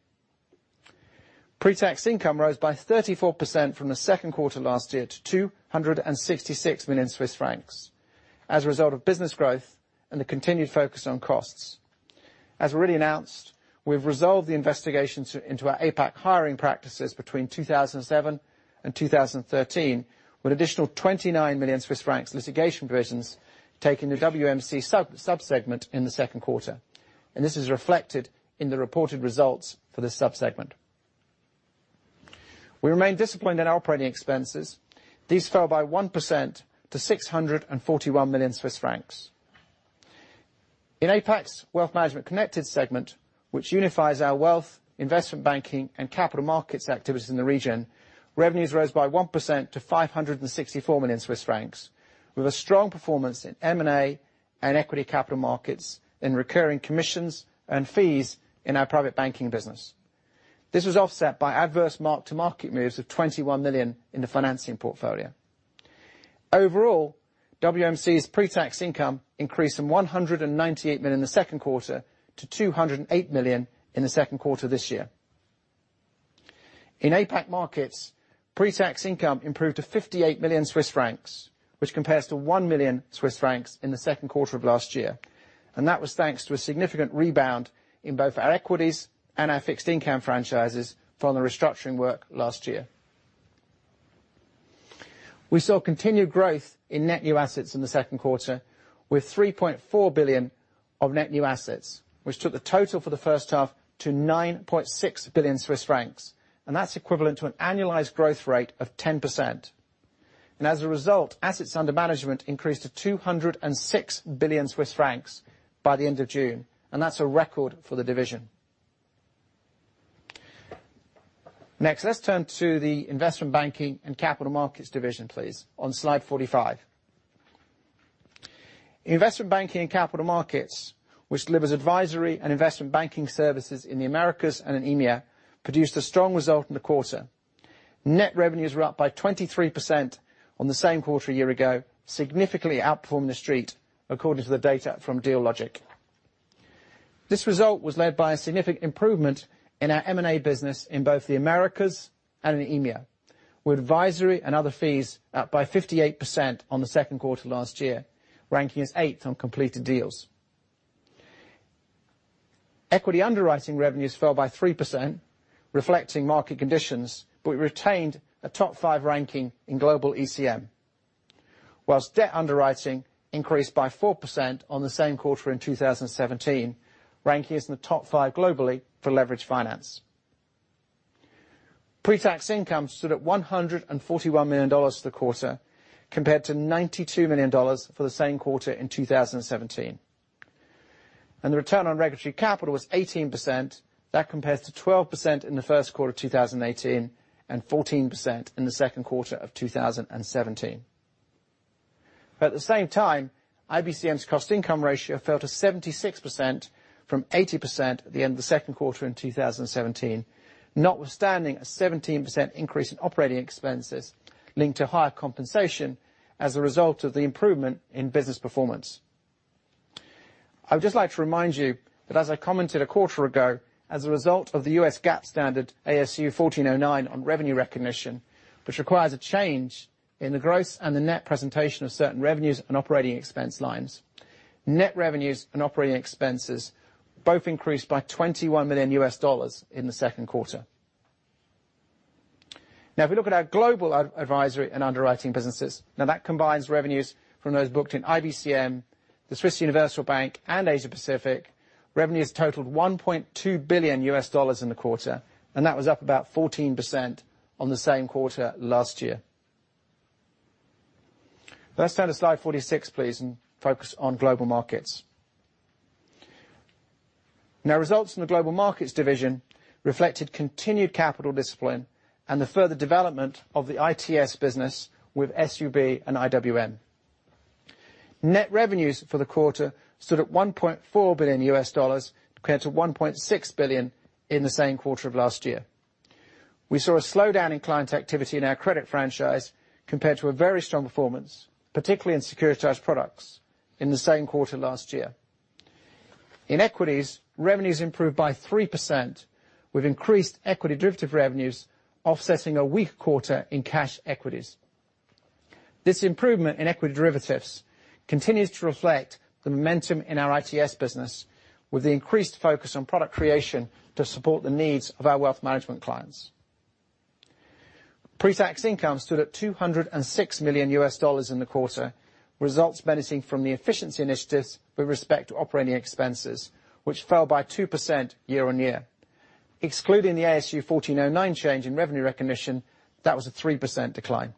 Pretax income rose by 34% from the second quarter last year to 266 million Swiss francs as a result of business growth and the continued focus on costs. As already announced, we've resolved the investigations into our APAC hiring practices between 2007 and 2013, with additional 29 million Swiss francs litigation provisions taken to WMC sub-segment in the second quarter. This is reflected in the reported results for the sub-segment. We remain disciplined in our operating expenses. These fell by 1% to 641 million Swiss francs. In APAC's Wealth Management Connected segment, which unifies our wealth, investment banking, and capital markets activities in the region, revenues rose by 1% to 564 million Swiss francs, with a strong performance in M&A and equity capital markets in recurring commissions and fees in our private banking business. This was offset by adverse mark-to-market moves of 21 million in the financing portfolio. Overall, WMC's pretax income increased from 198 million in the second quarter to 208 million in the second quarter this year. In APAC markets, pretax income improved to 58 million Swiss francs, which compares to 1 million Swiss francs in the second quarter of last year, and that was thanks to a significant rebound in both our equities and our fixed income franchises from the restructuring work last year. We saw continued growth in net new assets in the second quarter with 3.4 billion of net new assets, which took the total for the first half to 9.6 billion Swiss francs, and that's equivalent to an annualized growth rate of 10%. As a result, assets under management increased to 206 billion Swiss francs by the end of June. That's a record for the division. Let's turn to the Investment Banking and Capital Markets division please, on slide 45. Investment Banking and Capital Markets, which delivers advisory and investment banking services in the Americas and in EMEA, produced a strong result in the quarter. Net revenues were up by 23% on the same quarter a year ago, significantly outperforming the Street, according to the data from Dealogic. This result was led by a significant improvement in our M&A business in both the Americas and in EMEA, with advisory and other fees up by 58% on the second quarter last year, ranking us eighth on completed deals. Equity underwriting revenues fell by 3%, reflecting market conditions, but we retained a top five ranking in global ECM. Whilst debt underwriting increased by 4% on the same quarter in 2017, ranking us in the top five globally for leverage finance. Pre-tax income stood at CHF 141 million for the quarter, compared to CHF 92 million for the same quarter in 2017. The return on regulatory capital was 18%. That compares to 12% in the first quarter of 2018, and 14% in the second quarter of 2017. At the same time, IBCM's cost income ratio fell to 76% from 80% at the end of the second quarter in 2017, notwithstanding a 17% increase in operating expenses linked to higher compensation as a result of the improvement in business performance. I would just like to remind you that as I commented a quarter ago, as a result of the U.S. GAAP standard ASU 2014-09 on revenue recognition, which requires a change in the gross and the net presentation of certain revenues and operating expense lines, net revenues and operating expenses both increased by CHF 21 million in the second quarter. If we look at our global advisory and underwriting businesses, that combines revenues from those booked in IBCM, the Swiss Universal Bank, and Asia Pacific. Revenues totaled CHF 1.2 billion in the quarter, and that was up about 14% on the same quarter last year. Let's turn to slide 46 please and focus on Global Markets. Results from the Global Markets division reflected continued capital discipline and the further development of the ITS business with SUB and IWM. Net revenues for the quarter stood at CHF 1.4 billion compared to 1.6 billion in the same quarter of last year. We saw a slowdown in client activity in our credit franchise compared to a very strong performance, particularly in securitized products in the same quarter last year. In equities, revenues improved by 3% with increased equity derivative revenues offsetting a weak quarter in cash equities. This improvement in equity derivatives continues to reflect the momentum in our ITS business, with the increased focus on product creation to support the needs of our wealth management clients. Pre-tax income stood at CHF 206 million in the quarter, results benefiting from the efficiency initiatives with respect to operating expenses, which fell by 2% year-on-year. Excluding the ASU 2014-09 change in revenue recognition, that was a 3% decline.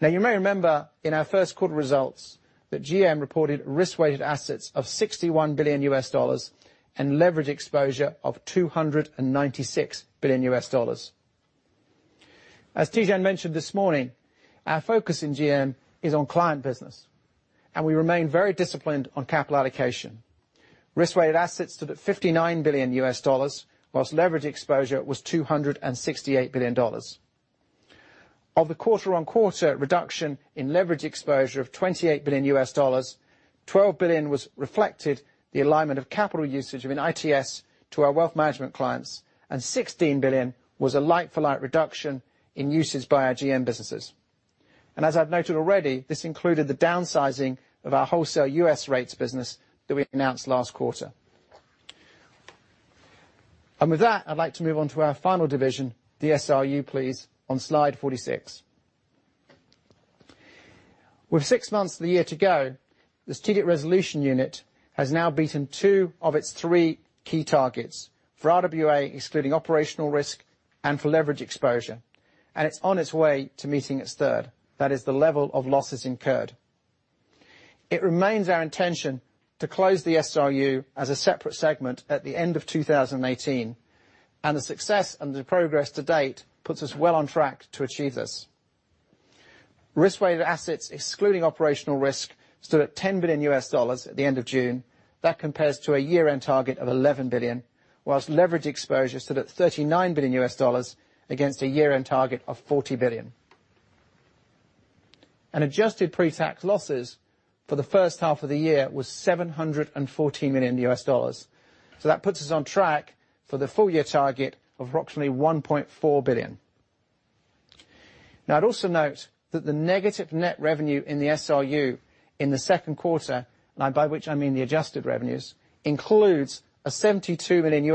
You may remember in our first quarter results that GM reported risk-weighted assets of $61 billion and leverage exposure of $296 billion. As Tidjane mentioned this morning, our focus in GM is on client business, and we remain very disciplined on capital allocation. Risk-weighted assets stood at CHF 59 billion, whilst leverage exposure was CHF 268 billion. Of the quarter-on-quarter reduction in leverage exposure of $28 billion, $12 billion reflected the alignment of capital usage within ITS to our wealth management clients, and $16 billion was a like-for-like reduction in usage by our GM businesses. As I've noted already, this included the downsizing of our wholesale U.S. rates business that we announced last quarter. With that, I'd like to move on to our final division, the SRU, please, on Slide 46. With six months of the year to go, the Strategic Resolution Unit has now beaten two of its three key targets for RWA, excluding operational risk and for leverage exposure. It's on its way to meeting its third, that is the level of losses incurred. It remains our intention to close the SRU as a separate segment at the end of 2018, and the success and the progress to date puts us well on track to achieve this. Risk-weighted assets, excluding operational risk, stood at $10 billion at the end of June. That compares to a year-end target of $11 billion, whilst leverage exposure stood at $39 billion against a year-end target of $40 billion. Adjusted pre-tax losses for the first half of the year was $714 million. That puts us on track for the full-year target of approximately $1.4 billion. I'd also note that the negative net revenue in the SRU in the second quarter, and by which I mean the adjusted revenues, includes a $72 million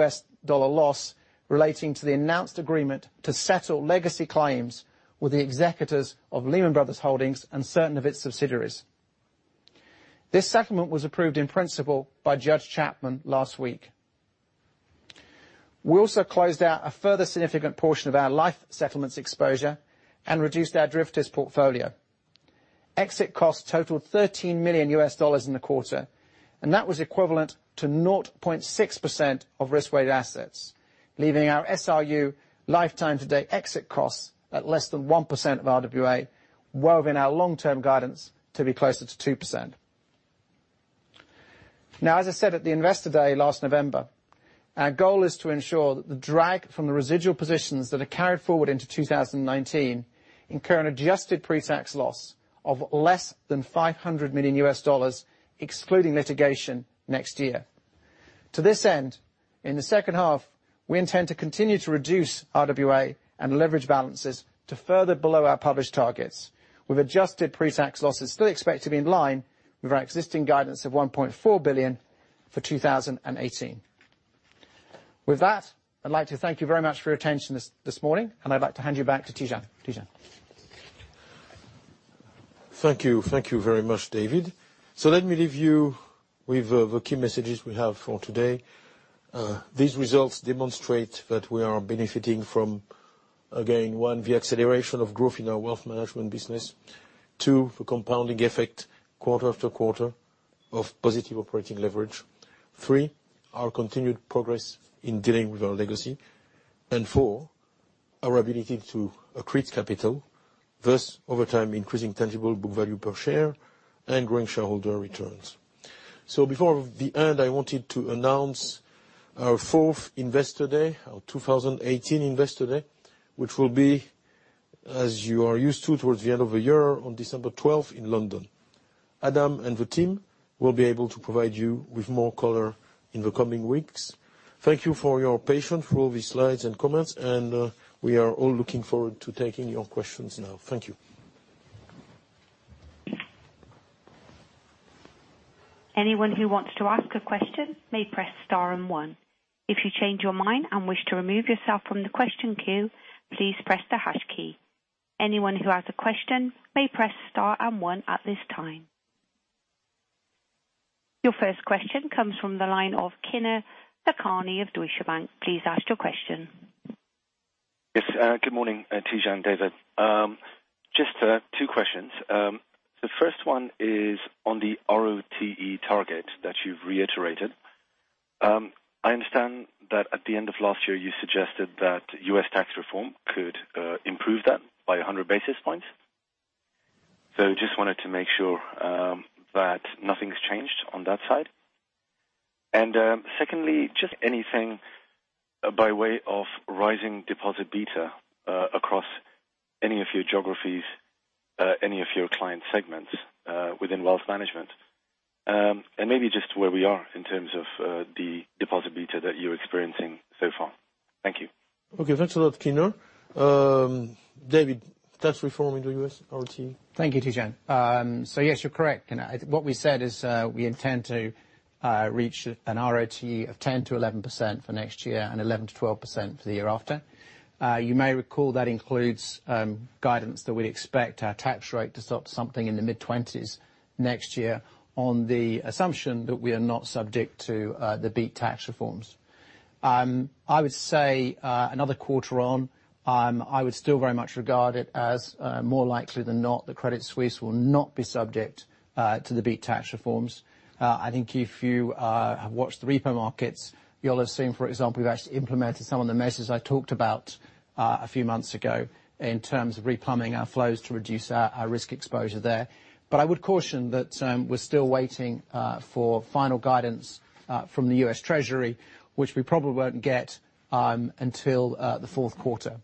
loss relating to the announced agreement to settle legacy claims with the executors of Lehman Brothers Holdings and certain of its subsidiaries. This settlement was approved in principle by Judge Chapman last week. We also closed out a further significant portion of our life settlements exposure and reduced our distressed portfolio. Exit costs totaled $13 million in the quarter, and that was equivalent to 0.6% of risk-weighted assets, leaving our SRU lifetime to date exit costs at less than 1% of RWA, well within our long-term guidance to be closer to 2%. As I said at the Investor Day last November, our goal is to ensure that the drag from the residual positions that are carried forward into 2019 incur an adjusted pre-tax loss of less than $500 million, excluding litigation, next year. To this end, in the second half, we intend to continue to reduce RWA and leverage balances to further below our published targets, with adjusted pre-tax losses still expected to be in line with our existing guidance of $1.4 billion for 2018. With that, I'd like to thank you very much for your attention this morning, and I'd like to hand you back to Tidjane. Tidjane? Thank you. Thank you very much, David. Let me leave you with the key messages we have for today. These results demonstrate that we are benefiting from, again, one, the acceleration of growth in our wealth management business. Two, the compounding effect quarter after quarter of positive operating leverage. Three, our continued progress in dealing with our legacy, and four, our ability to accrete capital, thus over time, increasing tangible book value per share and growing shareholder returns. Before the end, I wanted to announce our fourth Investor Day, our 2018 Investor Day, which will be, as you are used to, towards the end of the year on December 12th in London. Adam and the team will be able to provide you with more color in the coming weeks. Thank you for your patience for all these slides and comments. We are all looking forward to taking your questions now. Thank you. Anyone who wants to ask a question may press star and one. If you change your mind and wish to remove yourself from the question queue, please press the hash key. Anyone who has a question may press star and one at this time. Your first question comes from the line of Kinner Lakhani of Deutsche Bank. Please ask your question. Yes. Good morning, Tidjane and David. Just two questions. The first one is on the ROTE target that you've reiterated. I understand that at the end of last year, you suggested that U.S. tax reform could improve that by 100 basis points. Just wanted to make sure that nothing's changed on that side. Secondly, just anything by way of rising deposit beta across any of your geographies, any of your client segments within wealth management. Maybe just where we are in terms of the deposit beta that you're experiencing so far. Thank you. Okay, thanks a lot, Kinner. David, tax reform in the U.S., ROTE. Thank you, Tidjane. Yes, you're correct. What we said is we intend to reach an ROTE of 10%-11% for next year and 11%-12% for the year after. You may recall that includes guidance that we'd expect our tax rate to stop something in the mid-20s next year on the assumption that we are not subject to the BEAT tax reforms. I would say another quarter on, I would still very much regard it as more likely than not that Credit Suisse will not be subject to the BEAT tax reforms. I think if you have watched the repo markets, you'll have seen, for example, we've actually implemented some of the measures I talked about a few months ago in terms of re-plumbing our flows to reduce our risk exposure there. I would caution that we're still waiting for final guidance from the U.S. Treasury, which we probably won't get until the fourth quarter.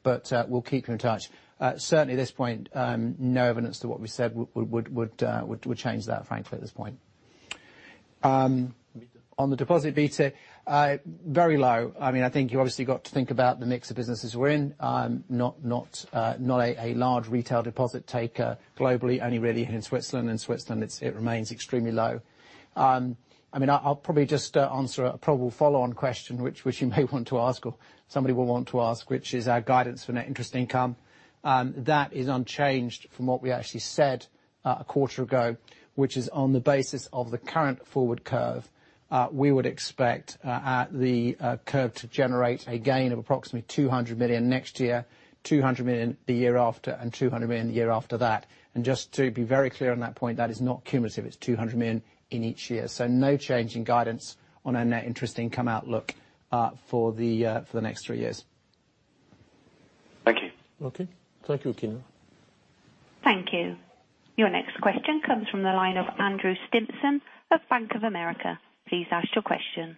We'll keep you in touch. Certainly, at this point, no evidence to what we said would change that, frankly, at this point. On the deposit beta, very low. I think you obviously got to think about the mix of businesses we're in. Not a large retail deposit taker globally, only really in Switzerland, and Switzerland it remains extremely low. I'll probably just answer a probable follow-on question, which you may want to ask or somebody will want to ask, which is our guidance for net interest income. That is unchanged from what we actually said a quarter ago, which is on the basis of the current forward curve. We would expect the curve to generate a gain of approximately 200 million next year, 200 million the year after, and 200 million the year after that. Just to be very clear on that point, that is not cumulative. It's 200 million in each year. No change in guidance on our net interest income outlook for the next three years. Thank you. Okay. Thank you, Kinner. Thank you. Your next question comes from the line of Andrew Stimpson of Bank of America. Please ask your question.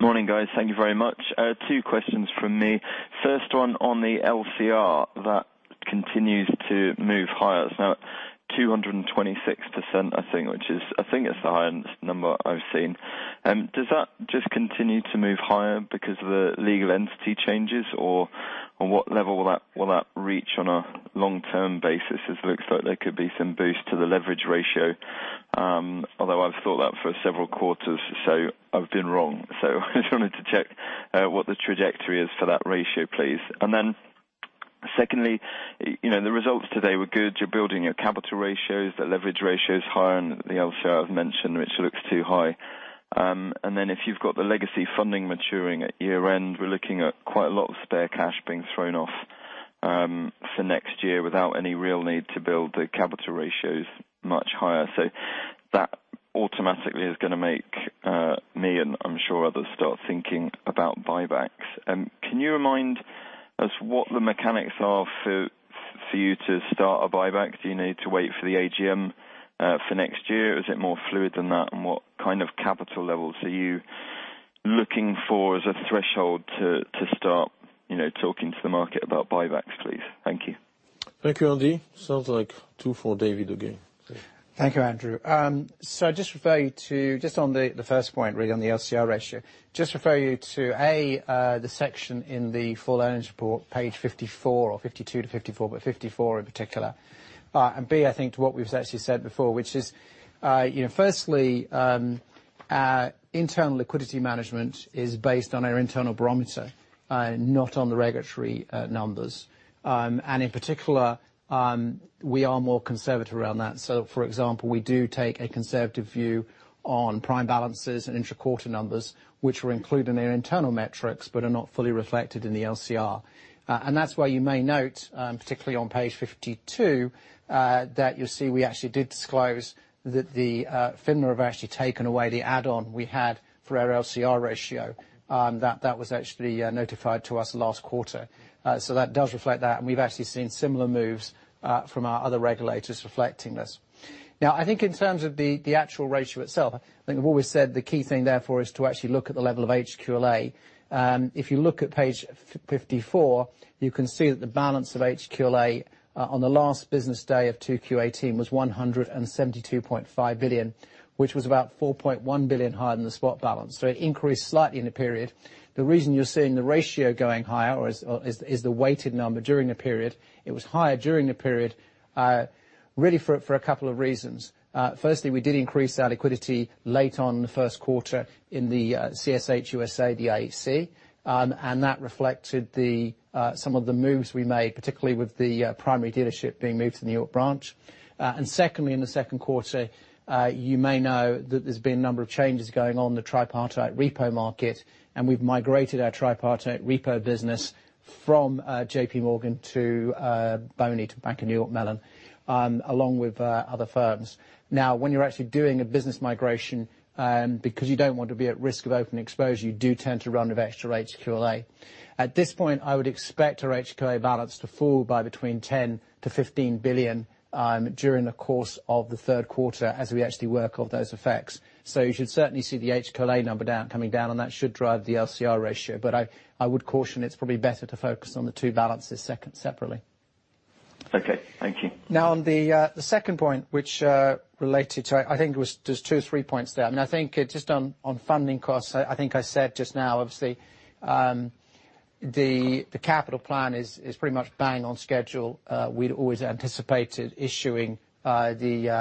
Morning, guys. Thank you very much. Two questions from me. First one on the LCR that continues to move higher. It's now at 226%, I think, which is, I think it's the highest number I've seen. On what level will that reach on a long-term basis? This looks like there could be some boost to the leverage ratio. Although I've thought that for several quarters, I've been wrong. I just wanted to check what the trajectory is for that ratio, please. Secondly, the results today were good. You're building your capital ratios, the leverage ratio is higher, the LCR I've mentioned, which looks too high. If you've got the legacy funding maturing at year-end, we're looking at quite a lot of spare cash being thrown off, for next year, without any real need to build the capital ratios much higher. That automatically is going to make me, and I'm sure others, start thinking about buybacks. Can you remind us what the mechanics are for you to start a buyback? Do you need to wait for the AGM for next year, or is it more fluid than that? What kind of capital levels are you looking for as a threshold to start talking to the market about buybacks, please? Thank you. Thank you, Andy. Sounds like two for David again. Thank you, Andrew. I just refer you to, just on the first point really on the LCR ratio, just refer you to, A, the section in the full earnings report, page 54 or 52 to 54, but 54 in particular. B, I think to what we've actually said before, which is, firstly, our internal liquidity management is based on our internal barometer, not on the regulatory numbers. In particular, we are more conservative around that. For example, we do take a conservative view on prime balances and intra-quarter numbers, which were included in our internal metrics, but are not fully reflected in the LCR. That's why you may note, particularly on page 52, that you'll see we actually did disclose that the FINMA have actually taken away the add-on we had for our LCR ratio. That was actually notified to us last quarter. That does reflect that, and we've actually seen similar moves from our other regulators reflecting this. I think in terms of the actual ratio itself, I think we've always said the key thing therefore is to actually look at the level of HQLA. If you look at page 54, you can see that the balance of HQLA on the last business day of Q2 2018 was 172.5 billion, which was about 4.1 billion higher than the spot balance. It increased slightly in the period. The reason you're seeing the ratio going higher is the weighted number during the period. It was higher during the period, really for a couple of reasons. Firstly, we did increase our liquidity late on in the first quarter in the CSH USA, the [AEC]. That reflected some of the moves we made, particularly with the New York branch. Secondly, in the second quarter, you may know that there's been a number of changes going on in the tripartite repo market, and we've migrated our tripartite repo business from J.P. Morgan to BNY to The Bank of New York Mellon, along with other firms. When you're actually doing a business migration, because you don't want to be at risk of open exposure, you do tend to run with extra HQLA. At this point, I would expect our HQLA balance to fall by between 10 billion-15 billion during the course of the third quarter as we actually work off those effects. You should certainly see the HQLA number coming down, and that should drive the LCR ratio. I would caution it's probably better to focus on the two balances separately. Okay. Thank you. On the second point, which related to, I think there's two or three points there. I think just on funding costs, I think I said just now, obviously, the capital plan is pretty much bang on schedule. We'd always anticipated issuing the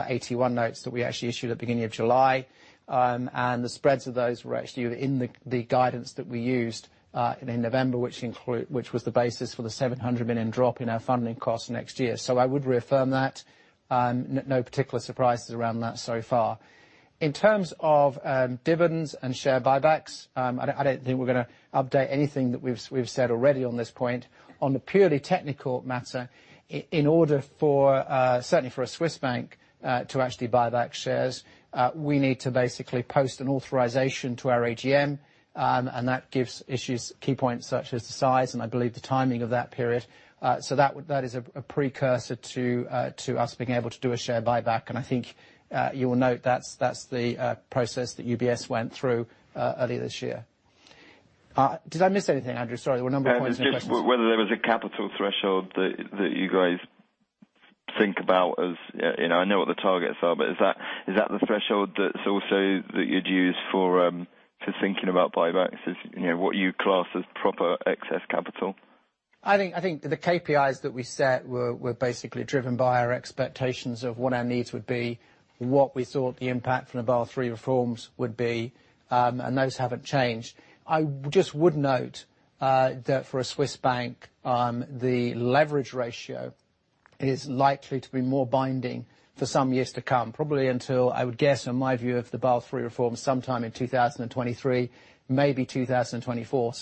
AT1 notes that we actually issued at the beginning of July. The spreads of those were actually in the guidance that we used in November, which was the basis for the 700 million drop in our funding cost next year. I would reaffirm that. No particular surprises around that so far. In terms of dividends and share buybacks, I don't think we're going to update anything that we've said already on this point. On a purely technical matter, in order for, certainly for a Swiss bank to actually buy back shares, we need to basically post an authorization to our AGM, that gives issues key points such as the size and I believe the timing of that period. That is a precursor to us being able to do a share buyback, I think you will note that's the process that UBS went through earlier this year. Did I miss anything, Andrew? Sorry, there were a number of points and questions. Just whether there was a capital threshold that you think about as, I know what the targets are, Is that the threshold that you'd use for thinking about buybacks? As what you class as proper excess capital? I think the KPIs that we set were basically driven by our expectations of what our needs would be, what we thought the impact from the Basel III reforms would be, Those haven't changed. I just would note that for a Swiss bank, the leverage ratio is likely to be more binding for some years to come, probably until, I would guess, in my view of the Basel III reforms, sometime in 2023, maybe 2024.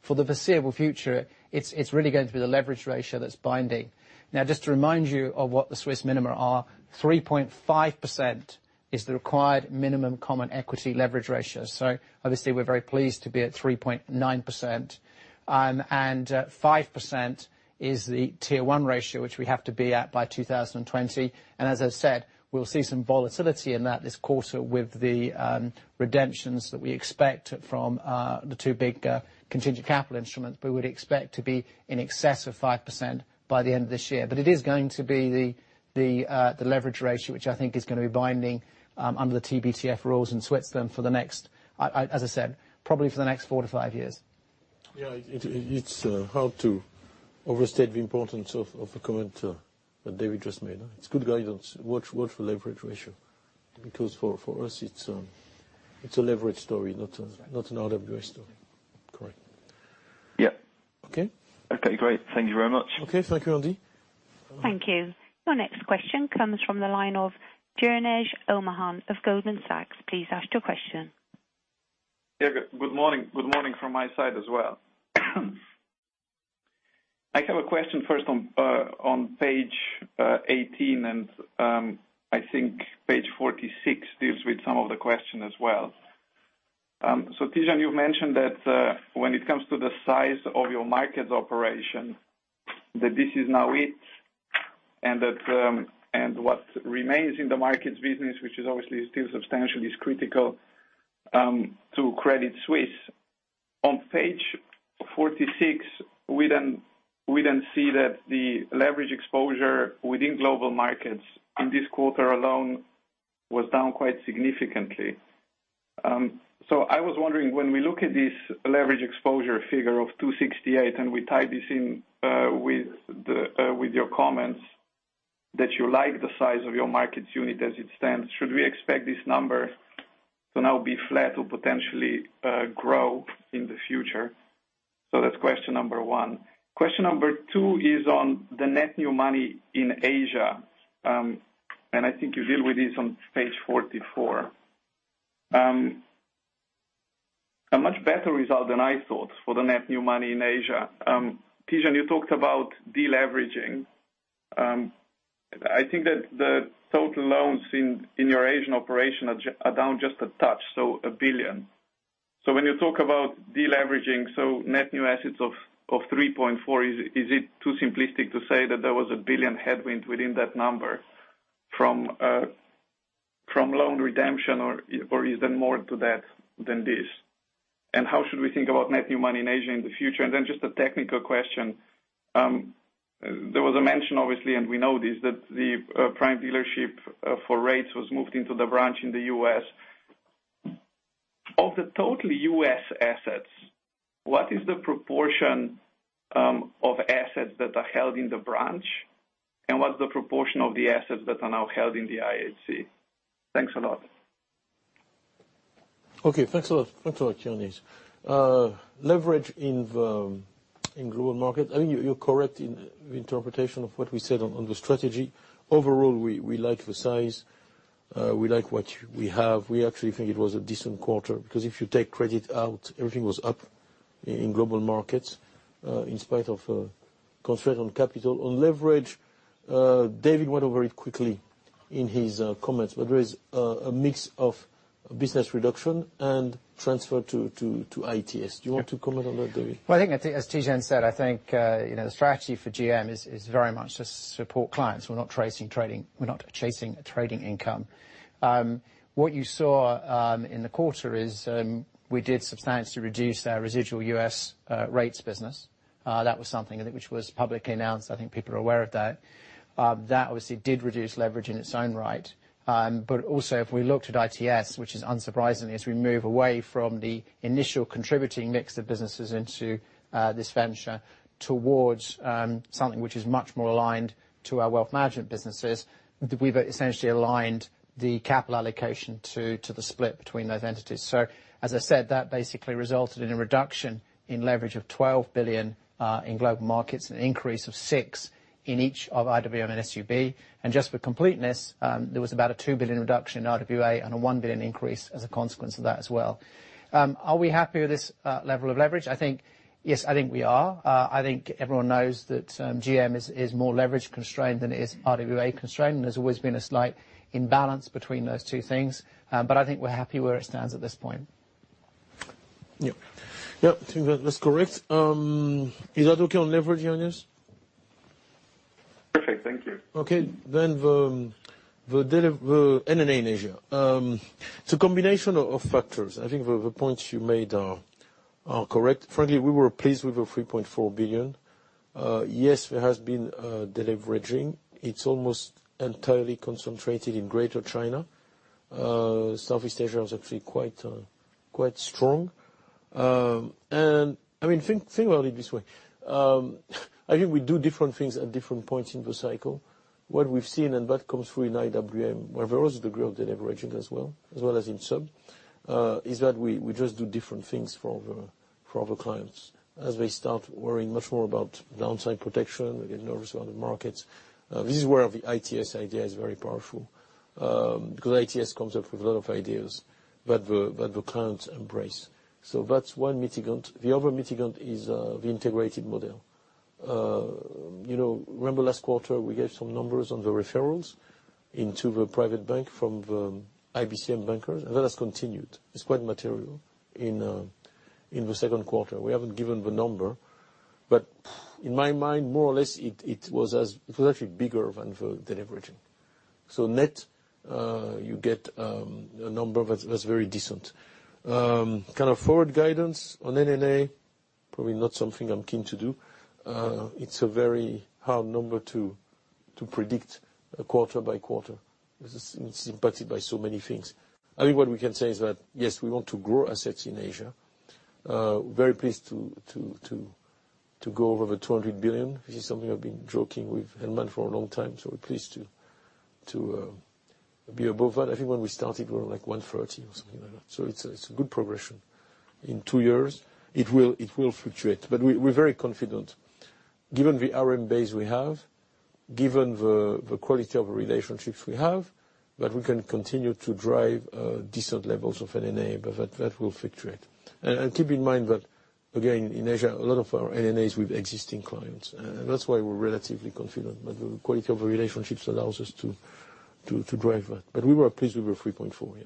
For the foreseeable future, it's really going to be the leverage ratio that's binding. Now, just to remind you of what the Swiss minima are, 3.5% is the required minimum common equity leverage ratio. Obviously, we're very pleased to be at 3.9%. 5% is the Tier 1 ratio, which we have to be at by 2020. As I said, we'll see some volatility in that this quarter with the redemptions that we expect from the two big contingent capital instruments. We would expect to be in excess of 5% by the end of this year. It is going to be the leverage ratio, which I think is going to be binding under the TBTF rules in Switzerland, as I said, probably for the next four to five years. Yeah. It's hard to overstate the importance of the comment that David just made. It's good guidance. Watch for leverage ratio, because for us, it's a leverage story, not an RWA story. Correct. Yeah. Okay? Okay, great. Thank you very much. Okay. Thank you, Andy. Thank you. Your next question comes from the line of Jernej Omahen of Goldman Sachs. Please ask your question. Yeah. Good morning from my side as well. I have a question first on page 18. I think page 46 deals with some of the question as well. Tidjane, you mentioned that when it comes to the size of your markets operation, that this is now it, and what remains in the markets business, which is obviously still substantial, is critical to Credit Suisse. On page 46, we see that the leverage exposure within global markets in this quarter alone was down quite significantly. I was wondering, when we look at this leverage exposure figure of 268, and we tie this in with your comments that you like the size of your markets unit as it stands, should we expect this number to now be flat or potentially grow in the future? That's question number 1. Question number 2 is on the net new money in Asia. I think you deal with this on page 44. A much better result than I thought for the net new money in Asia. Tidjane, you talked about deleveraging. I think that the total loans in your Asian operation are down just a touch, 1 billion. When you talk about deleveraging, net new assets of 3.4, is it too simplistic to say that there was a 1 billion headwind within that number from loan redemption, or is there more to that than this? How should we think about net new money in Asia in the future? Just a technical question. There was a mention, obviously, and we know this, that the prime dealership for rates was moved into the branch in the U.S. Of the total U.S. assets, what is the proportion of assets that are held in the branch, and what's the proportion of the assets that are now held in the IHC? Thanks a lot. Okay, thanks a lot, Jernej. Leverage in global market. I think you're correct in the interpretation of what we said on the strategy. Overall, we like the size. We like what we have. We actually think it was a decent quarter, because if you take credit out, everything was up in global markets, in spite of constraint on capital. On leverage, David went over it quickly in his comments, but there is a mix of business reduction and transfer to ITS. Do you want to comment on that, David? Well, I think as Tidjane said, I think the strategy for GM is very much to support clients. We're not chasing trading income. What you saw in the quarter is we did substantially reduce our residual U.S. rates business. That was something, I think, which was publicly announced. I think people are aware of that. That obviously did reduce leverage in its own right. Also, if we looked at ITS, which is unsurprisingly, as we move away from the initial contributing mix of businesses into this venture towards something which is much more aligned to our wealth management businesses, we've essentially aligned the capital allocation to the split between those entities. As I said, that basically resulted in a reduction in leverage of 12 billion in Global Markets and an increase of six in each of IWM and SUB. Just for completeness, there was about a 2 billion reduction in RWA and a 1 billion increase as a consequence of that as well. Are we happy with this level of leverage? I think, yes, I think we are. I think everyone knows that GM is more leverage-constrained than it is RWA-constrained. There's always been a slight imbalance between those two things. I think we're happy where it stands at this point. Yeah. I think that's correct. Is that okay on leverage, Jernej? Perfect. Thank you. The NNA in Asia. It's a combination of factors. I think the points you made are correct. Frankly, we were pleased with the 3.4 billion. Yes, there has been a deleveraging. It's almost entirely concentrated in Greater China. Southeast Asia is actually quite strong. Think about it this way. I think we do different things at different points in the cycle. What we've seen, and that comes through in IWM, where there is a degree of deleveraging as well, as well as in SUB, is that we just do different things for our clients as they start worrying much more about downside protection, they get nervous about the markets. This is where the ITS idea is very powerful, because ITS comes up with a lot of ideas that the clients embrace. That's one mitigant. The other mitigant is the integrated model. Remember last quarter, we gave some numbers on the referrals into the private bank from the IBCM bankers, that has continued. It's quite material in the second quarter. We haven't given the number, in my mind, more or less, it was actually bigger than everything. Net, you get a number that's very decent. Forward guidance on NNA, probably not something I'm keen to do. It's a very hard number to predict quarter by quarter. It's impacted by so many things. I think what we can say is that, yes, we want to grow assets in Asia. Very pleased to go over 200 billion. This is something I've been joking with Edmond for a long time, we're pleased to be above that. I think when we started, we were like 130 or something like that. It's a good progression. In two years, it will fluctuate. We're very confident. Given the RM base we have, given the quality of relationships we have, that we can continue to drive decent levels of NNA, that will fluctuate. Keep in mind that, again, in Asia, a lot of our NNAs with existing clients. That's why we're relatively confident that the quality of relationships allows us to drive that. We were pleased with the 3.4, yeah.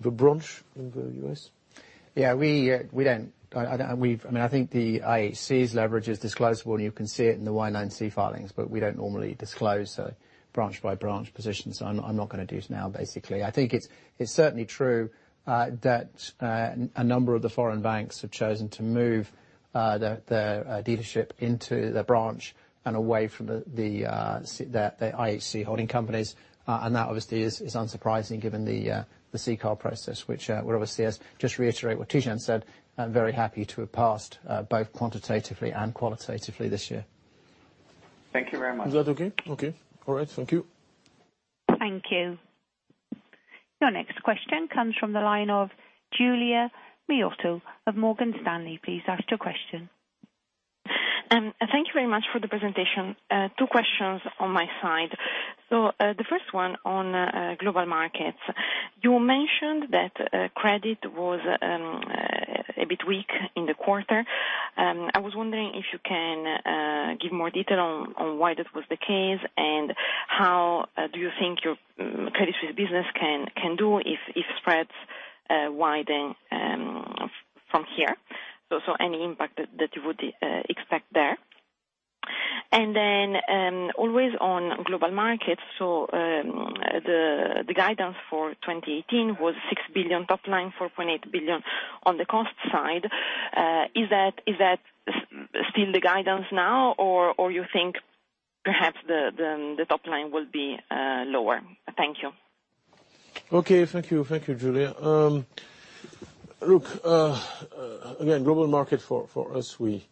The branch in the U.S.? Yeah, I think the IHC's leverage is disclosable, you can see it in the Y9C filings, we don't normally disclose branch by branch positions. I'm not going to do so now, basically. I think it's certainly true that a number of the foreign banks have chosen to move their dealership into the branch and away from the IHC holding companies. That obviously is unsurprising given the CCAR process, which would obviously, as just reiterate what Tidjane said, I'm very happy to have passed both quantitatively and qualitatively this year. Thank you very much. Is that okay? Okay. All right. Thank you. Thank you. Your next question comes from the line of Giulia Miotto of Morgan Stanley. Please ask your question. Thank you very much for the presentation. Two questions on my side. The first one on global markets. You mentioned that credit was a bit weak in the quarter. I was wondering if you can give more detail on why that was the case, and how do you think your Credit Suisse business can do if spreads widen from here? Any impact that you would expect there. Always on global markets, the guidance for 2018 was 6 billion top line, 4.8 billion on the cost side. Is that still the guidance now? You think perhaps the top line will be lower? Thank you. Okay. Thank you, Giulia. Look, again, global market for us, we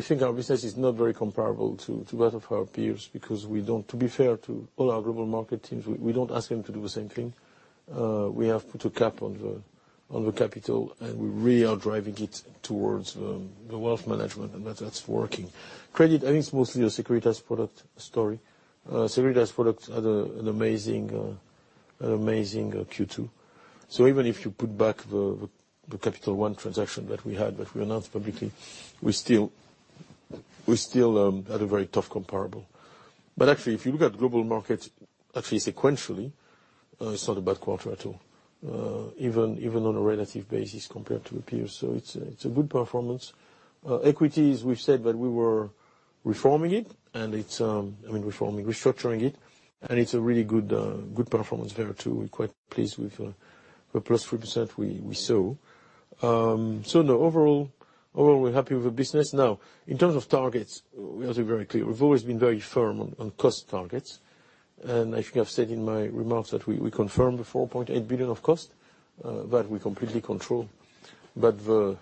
think our business is not very comparable to that of our peers, because to be fair to all our global market teams, we don't ask them to do the same thing. We have put a cap on the capital, and we really are driving it towards the wealth management, and that's working. Credit, I think it's mostly a securitized product story. Securitized product had an amazing Q2. Even if you put back the Capital One transaction that we had, that we announced publicly, we still had a very tough comparable. Actually, if you look at global markets, actually sequentially, it's not a bad quarter at all, even on a relative basis compared to peers. It's a good performance. Equities, we've said that we were reforming it, I mean, reforming, restructuring it, and it's a really good performance there, too. We're quite pleased with the +3% we saw. No, overall, we're happy with the business. Now, in terms of targets, we are very clear. We've always been very firm on cost targets. I think I've said in my remarks that we confirm the 4.8 billion of cost that we completely control. The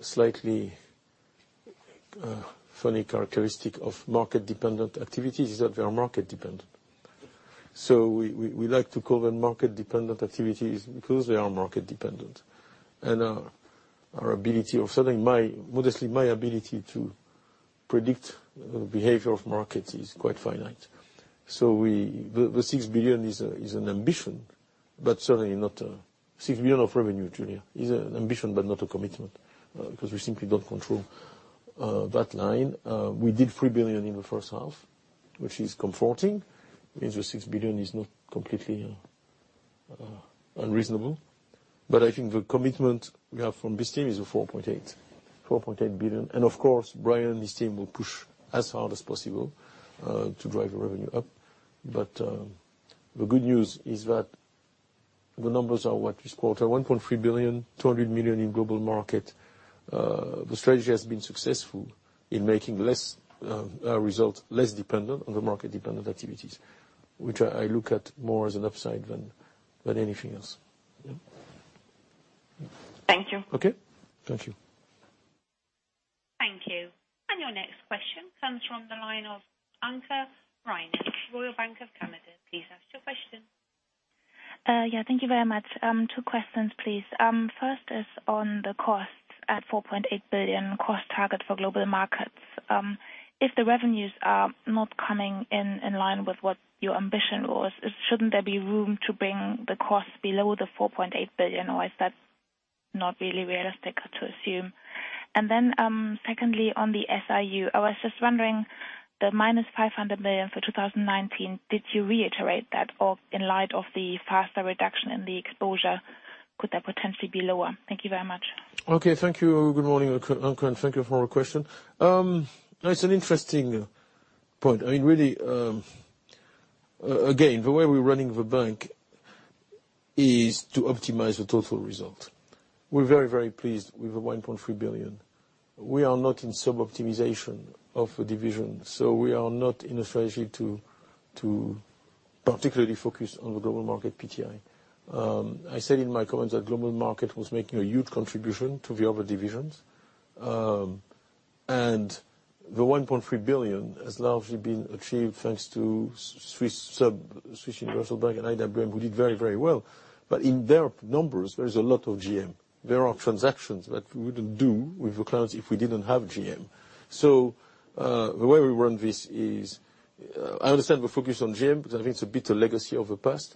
slightly funny characteristic of market-dependent activities is that they are market dependent. We like to call them market-dependent activities because they are market dependent. Our ability of selling, modestly, my ability to predict behavior of markets is quite finite. The 6 billion is an ambition, but certainly not a 6 billion of revenue, Giulia, is an ambition but not a commitment, because we simply don't control that line. We did 3 billion in the first half, which is comforting. Means the 6 billion is not completely unreasonable. I think the commitment we have from this team is the 4.8 billion. Of course, Brian and his team will push as hard as possible to drive the revenue up. The good news is that the numbers are what we support, 1.3 billion, 200 million in global market. The strategy has been successful in making less results, less dependent on the market-dependent activities, which I look at more as an upside than anything else. Yeah. Thank you. Okay. Thank you. Thank you. Your next question comes from the line of Anke Reingen, Royal Bank of Canada. Please ask your question. Yeah. Thank you very much. Two questions, please. First is on the costs at CHF 4.8 billion cost target for Global Markets. Then, secondly, on the SRU, I was just wondering, the -500 million for 2019, did you reiterate that, or in light of the faster reduction in the exposure, could that potentially be lower? Thank you very much. Okay. Thank you. Good morning, Anke, thank you for your question. It's an interesting point. Really, again, the way we're running the bank is to optimize the total result. We are very, very pleased with the 1.3 billion. We are not in sub-optimization of the division, so we are not in a strategy to particularly focus on the Global Market PTI. I said in my comments that Global Market was making a huge contribution to the other divisions. The 1.3 billion has largely been achieved, thanks to Swiss Universal Bank and IWM, who did very, very well. In their numbers, there is a lot of GM. There are transactions that we wouldn't do with the clients if we didn't have GM. The way we run this is, I understand the focus on GM because I think it's a bit a legacy of the past.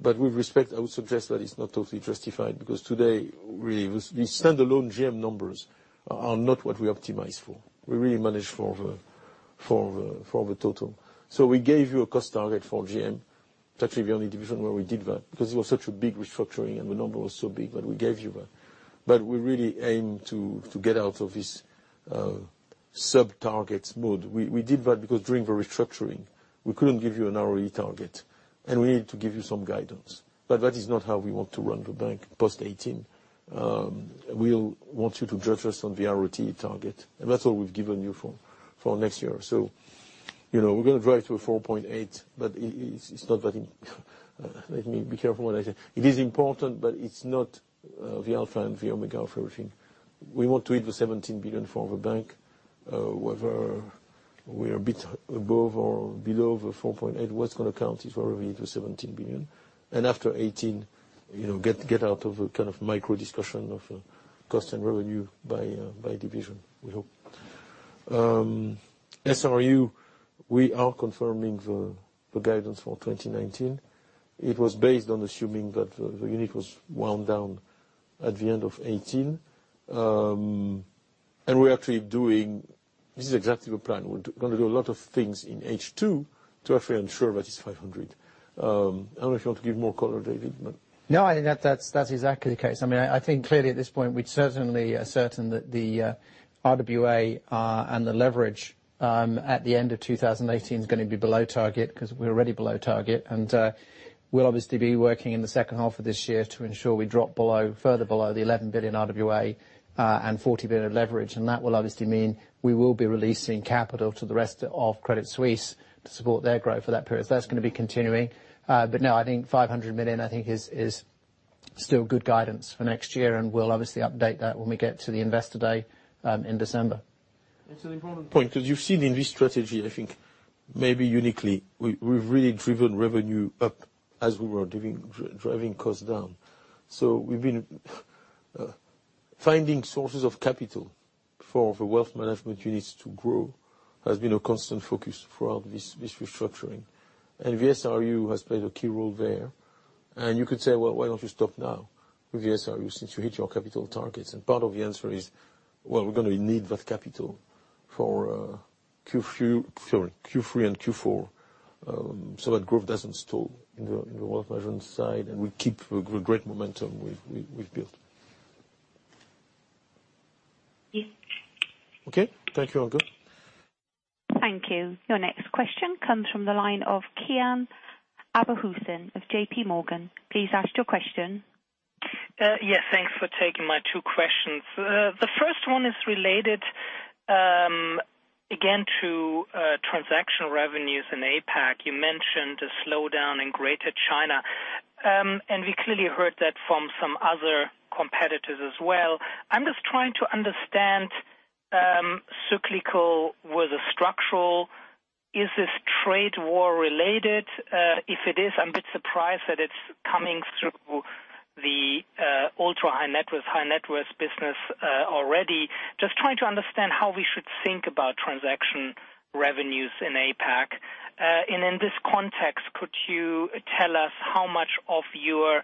With respect, I would suggest that it's not totally justified because today, really, the standalone GM numbers are not what we optimize for. We really manage for the total. We gave you a cost target for GM. It's actually the only division where we did that because it was such a big restructuring and the number was so big that we gave you that. We really aim to get out of this sub-targets mode. We did that because during the restructuring, we couldn't give you an ROE target, and we needed to give you some guidance. That is not how we want to run the bank post 2018. We'll want you to judge us on the ROT target. That's all we've given you for next year. We're going to drive to a 4.8. Let me be careful what I say. It is important, it's not the alpha and the omega of everything. We want to hit the 17 billion for the bank. Whether we are a bit above or below the 4.8, what's going to count is whether we hit the 17 billion. After 2018, get out of a kind of micro discussion of cost and revenue by division, we hope. SRU, we are confirming the guidance for 2019. It was based on assuming that the unit was wound down at the end of 2018. This is exactly the plan. We're going to do a lot of things in H2 to actually ensure that it's 500 million. I don't know if you want to give more color, David. I think that's exactly the case. I think clearly at this point, we certainly are certain that the RWA and the leverage at the end of 2018 is going to be below target because we're already below target. We'll obviously be working in the second half of this year to ensure we drop further below the 11 billion RWA, and 40 billion leverage, and that will obviously mean we will be releasing capital to the rest of Credit Suisse to support their growth for that period. That's going to be continuing. I think 500 million is still good guidance for next year, and we'll obviously update that when we get to the investor day in December. It's an important point because you've seen in this strategy, I think maybe uniquely, we've really driven revenue up as we were driving costs down. We've been finding sources of capital for the wealth management units to grow, has been a constant focus throughout this restructuring. The SRU has played a key role there. You could say, "Well, why don't you stop now with the SRU since you hit your capital targets?" Part of the answer is, well, we're going to need that capital for Q3 and Q4, so that growth doesn't stall in the wealth management side, and we keep the great momentum we've built. Yes. Okay. Thank you, Anke. Thank you. Your next question comes from the line of Kian Abouhossein of JPMorgan. Please ask your question. Yes, thanks for taking my two questions. The first one is related, again, to transactional revenues in APAC. You mentioned a slowdown in Greater China. We clearly heard that from some other competitors as well. I'm just trying to understand cyclical with the structural, is this trade war related? If it is, I'm a bit surprised that it's coming through the ultra-high net worth, high net worth business already. Just trying to understand how we should think about transaction revenues in APAC. In this context, could you tell us how much of your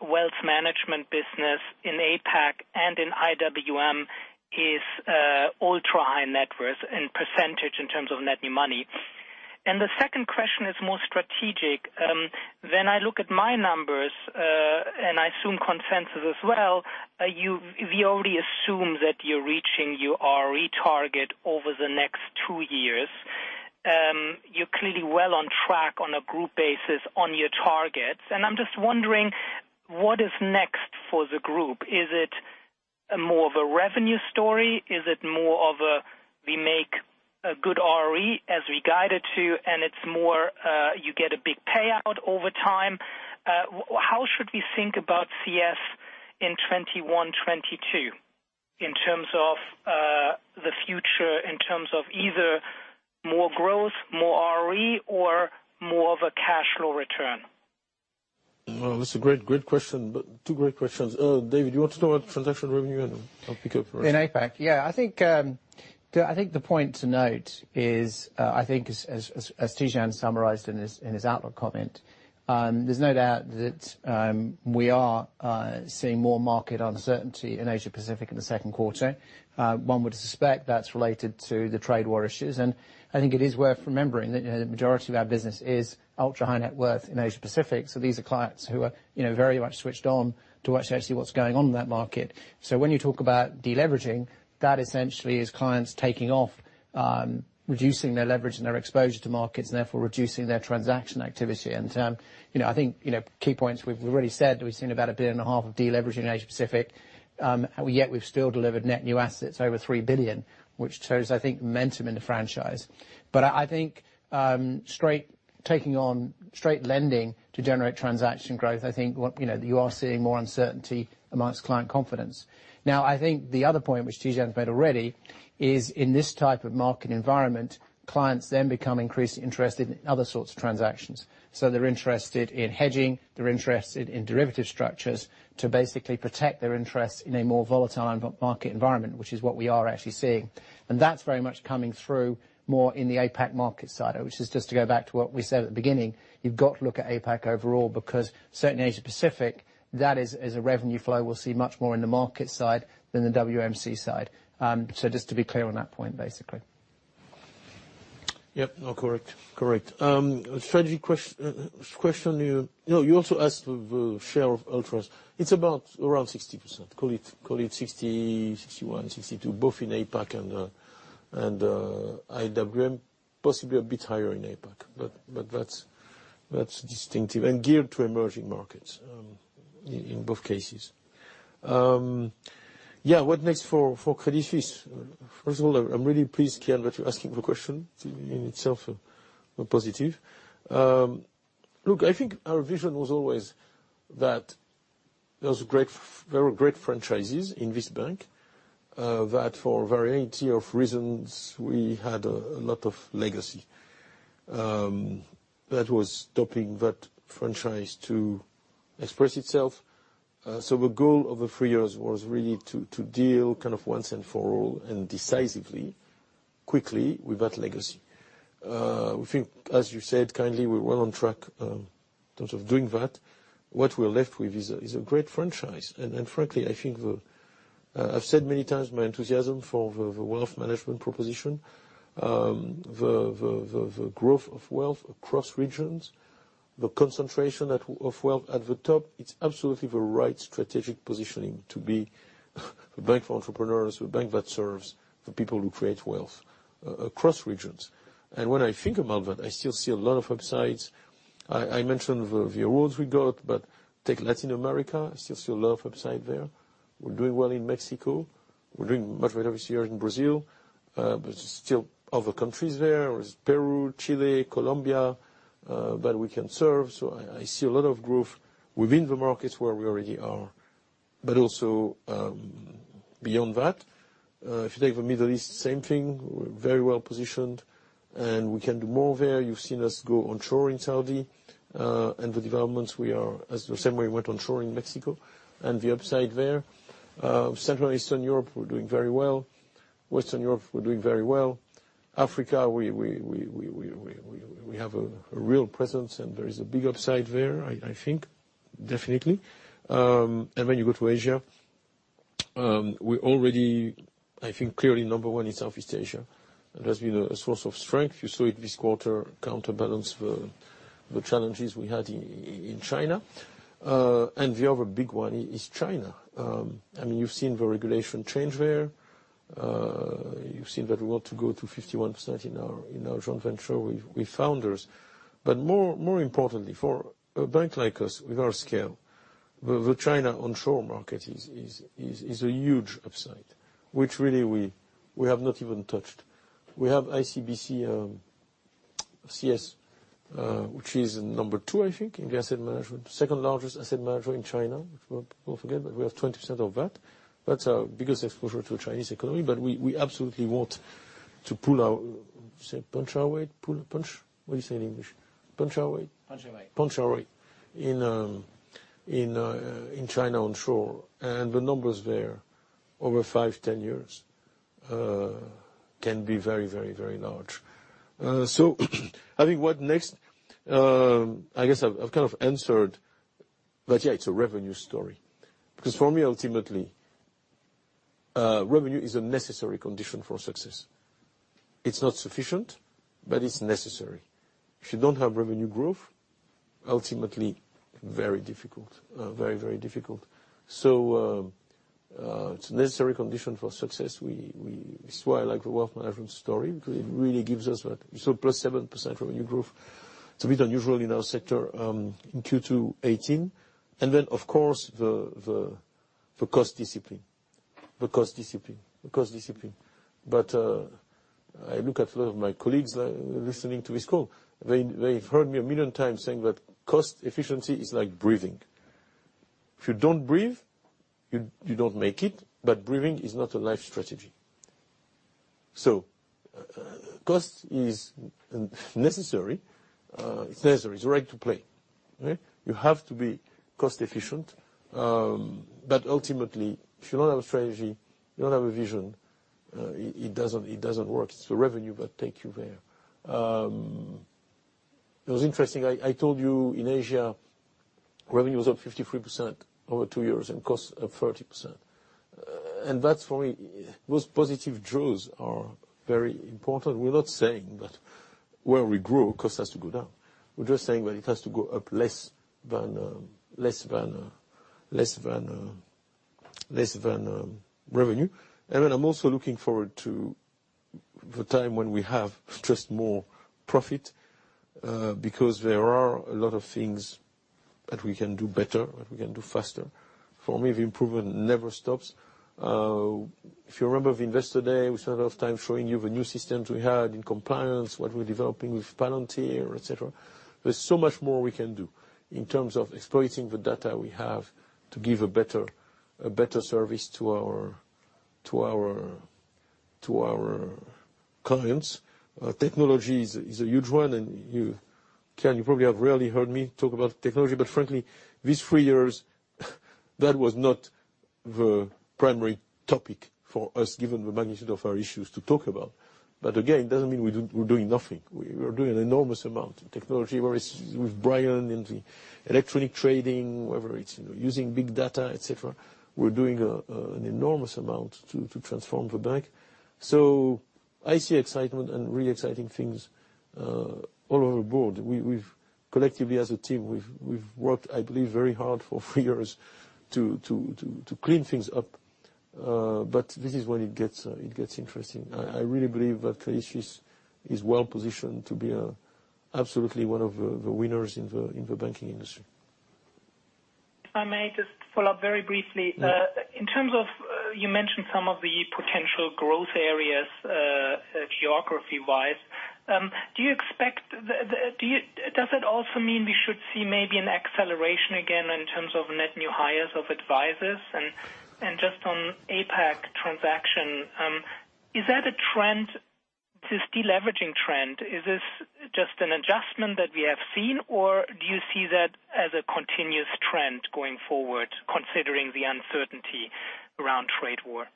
wealth management business in APAC and in IWM is ultra-high net worth in percentage in terms of net new money? The second question is more strategic. When I look at my numbers, and I assume consensus as well, we already assume that you're reaching your ROE target over the next two years. You're clearly well on track on a group basis on your targets. I'm just wondering what is next for the group. Is it more of a revenue story? Is it more of a we make a good ROE as we guided to, and it's more you get a big payout over time? How should we think about CS in 2021, 2022 in terms of the future, in terms of either more growth, more ROE or more of a cash flow return? Well, that's a great question, two great questions. David, you want to start transaction revenue, and I'll pick up? In APAC? Yeah. I think the point to note is, I think as Tidjane summarized in his outlook comment, there's no doubt that we are seeing more market uncertainty in Asia Pacific in the second quarter. One would suspect that's related to the trade war issues, and I think it is worth remembering that the majority of our business is ultra-high net worth in Asia Pacific. These are clients who are very much switched on to actually what's going on in that market. When you talk about de-leveraging, that essentially is clients taking off, reducing their leverage and their exposure to markets and therefore reducing their transaction activity. I think, key points we've already said, we've seen about 1.5 billion of de-leveraging in Asia Pacific. Yet we've still delivered net new assets over 3 billion, which shows, I think, momentum in the franchise. I think taking on straight lending to generate transaction growth, I think you are seeing more uncertainty amongst client confidence. Now, I think the other point which Tidjane's made already is in this type of market environment, clients then become increasingly interested in other sorts of transactions. They're interested in hedging, they're interested in derivative structures to basically protect their interests in a more volatile market environment, which is what we are actually seeing. That's very much coming through more in the APAC market side, which is just to go back to what we said at the beginning. You've got to look at APAC overall because certainly Asia Pacific, that is a revenue flow we'll see much more in the market side than the WMC side. Just to be clear on that point, basically. Yep. No, correct. Strategy question. You also asked the share of ultras, it's about around 60%. Call it 60, 61, 62, both in APAC and IWM, possibly a bit higher in APAC, but that's distinctive and geared to emerging markets in both cases. What next for Credit Suisse? First of all, I'm really pleased, Kian, that you're asking the question in itself, a positive. Look, I think our vision was always that there were great franchises in this bank, that for a variety of reasons, we had a lot of legacy that was stopping that franchise to express itself. The goal over 3 years was really to deal, kind of once and for all and decisively, quickly, with that legacy. I think as you said, kindly, we're well on track in terms of doing that. What we're left with is a great franchise. Frankly, I think I've said many times my enthusiasm for the wealth management proposition, the growth of wealth across regions, the concentration of wealth at the top, it's absolutely the right strategic positioning to be a bank for entrepreneurs, a bank that serves the people who create wealth across regions. When I think about that, I still see a lot of upsides. I mentioned the awards we got, but take Latin America, I still see a lot of upside there. We're doing well in Mexico. We're doing much better this year in Brazil, but still other countries there. There's Peru, Chile, Colombia that we can serve. I see a lot of growth within the markets where we already are, but also, beyond that. If you take the Middle East, same thing. We're very well-positioned, and we can do more there. You've seen us go onshore in Saudi, and the developments we are, as the same way we went onshore in Mexico and the upside there. Central Eastern Europe, we're doing very well. Western Europe, we're doing very well. Africa, we have a real presence, and there is a big upside there, I think, definitely. When you go to Asia, we're already, I think, clearly number one in Southeast Asia. That has been a source of strength. You saw it this quarter, counterbalance the challenges we had in China. The other big one is China. You've seen the regulation change there. You've seen that we want to go to 51% in our joint venture with Founder Securities. More importantly, for a bank like us with our scale, the China onshore market is a huge upside, which really we have not even touched. We have ICBC CS, which is number two, I think, in the asset management, second largest asset manager in China. Don't forget that we have 20% of that. That's our biggest exposure to Chinese economy. We absolutely want to Say, punch our weight? Pull, punch? What do you say in English? Punch our weight? Punch our weight. Punch our weight in China onshore. The numbers there over five, 10 years can be very large. I think what next, I guess I've kind of answered, but yeah, it's a revenue story. For me, ultimately, revenue is a necessary condition for success. It's not sufficient, but it's necessary. If you don't have revenue growth, ultimately, very difficult. Very, very difficult. It's a necessary condition for success. This is why I like the wealth management story, because it really gives us that. Plus 7% revenue growth, it's a bit unusual in our sector, in Q2 2018. Of course, the cost discipline. I look at a lot of my colleagues listening to this call. They've heard me 1 million times saying that cost efficiency is like breathing. If you don't breathe, you don't make it, but breathing is not a life strategy. Cost is necessary. It's necessary, it's the right to play. Right? You have to be cost-efficient. Ultimately, if you don't have a strategy, you don't have a vision, it doesn't work. It's the revenue that take you there. It was interesting. I told you in Asia, revenue was up 53% over two years and cost up 30%. That for me, those positive jaws are very important. We're not saying that where we grow, cost has to go down. We're just saying that it has to go up less than revenue. I'm also looking forward to the time when we have just more profit, because there are a lot of things that we can do better, that we can do faster. For me, the improvement never stops. If you remember the investor day, we spent a lot of time showing you the new systems we had in compliance, what we're developing with Palantir, et cetera. There's so much more we can do in terms of exploiting the data we have to give a better service to our clients. Technology is a huge one, and you probably have rarely heard me talk about technology, but frankly, these three years, that was not the primary topic for us, given the magnitude of our issues to talk about. Again, it doesn't mean we're doing nothing. We are doing an enormous amount in technology, whether it's with Brian in the electronic trading, whether it's using big data, et cetera. We're doing an enormous amount to transform the bank. I see excitement and really exciting things all over board. Collectively as a team, we've worked, I believe, very hard for figures to clean things up. This is when it gets interesting. I really believe that Credit Suisse is well-positioned to be absolutely one of the winners in the banking industry. If I may just follow up very briefly. Yeah. In terms of, you mentioned some of the potential growth areas, geography-wise. Does it also mean we should see maybe an acceleration again in terms of net new hires of advisors and just on APAC transaction? Is that a trend, this deleveraging trend, is this just an adjustment that we have seen, or do you see that as a continuous trend going forward, considering the uncertainty around trade war?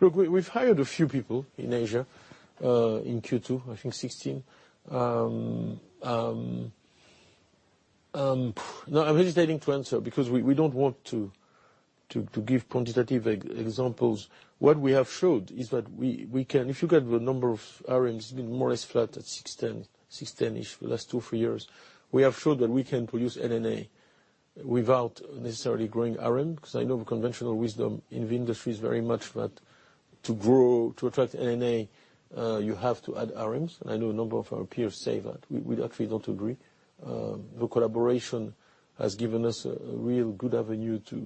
Look, we've hired a few people in Asia, in Q2, I think 2016. No, I'm hesitating to answer because we don't want to give quantitative examples. What we have showed is that if you get the number of RMs been more or less flat at 610-ish for the last two, three years, we have showed that we can produce NNA without necessarily growing RM, because I know the conventional wisdom in the industry is very much that to grow, to attract NNA, you have to add RMs, and I know a number of our peers say that. We actually don't agree. The collaboration has given us a real good avenue to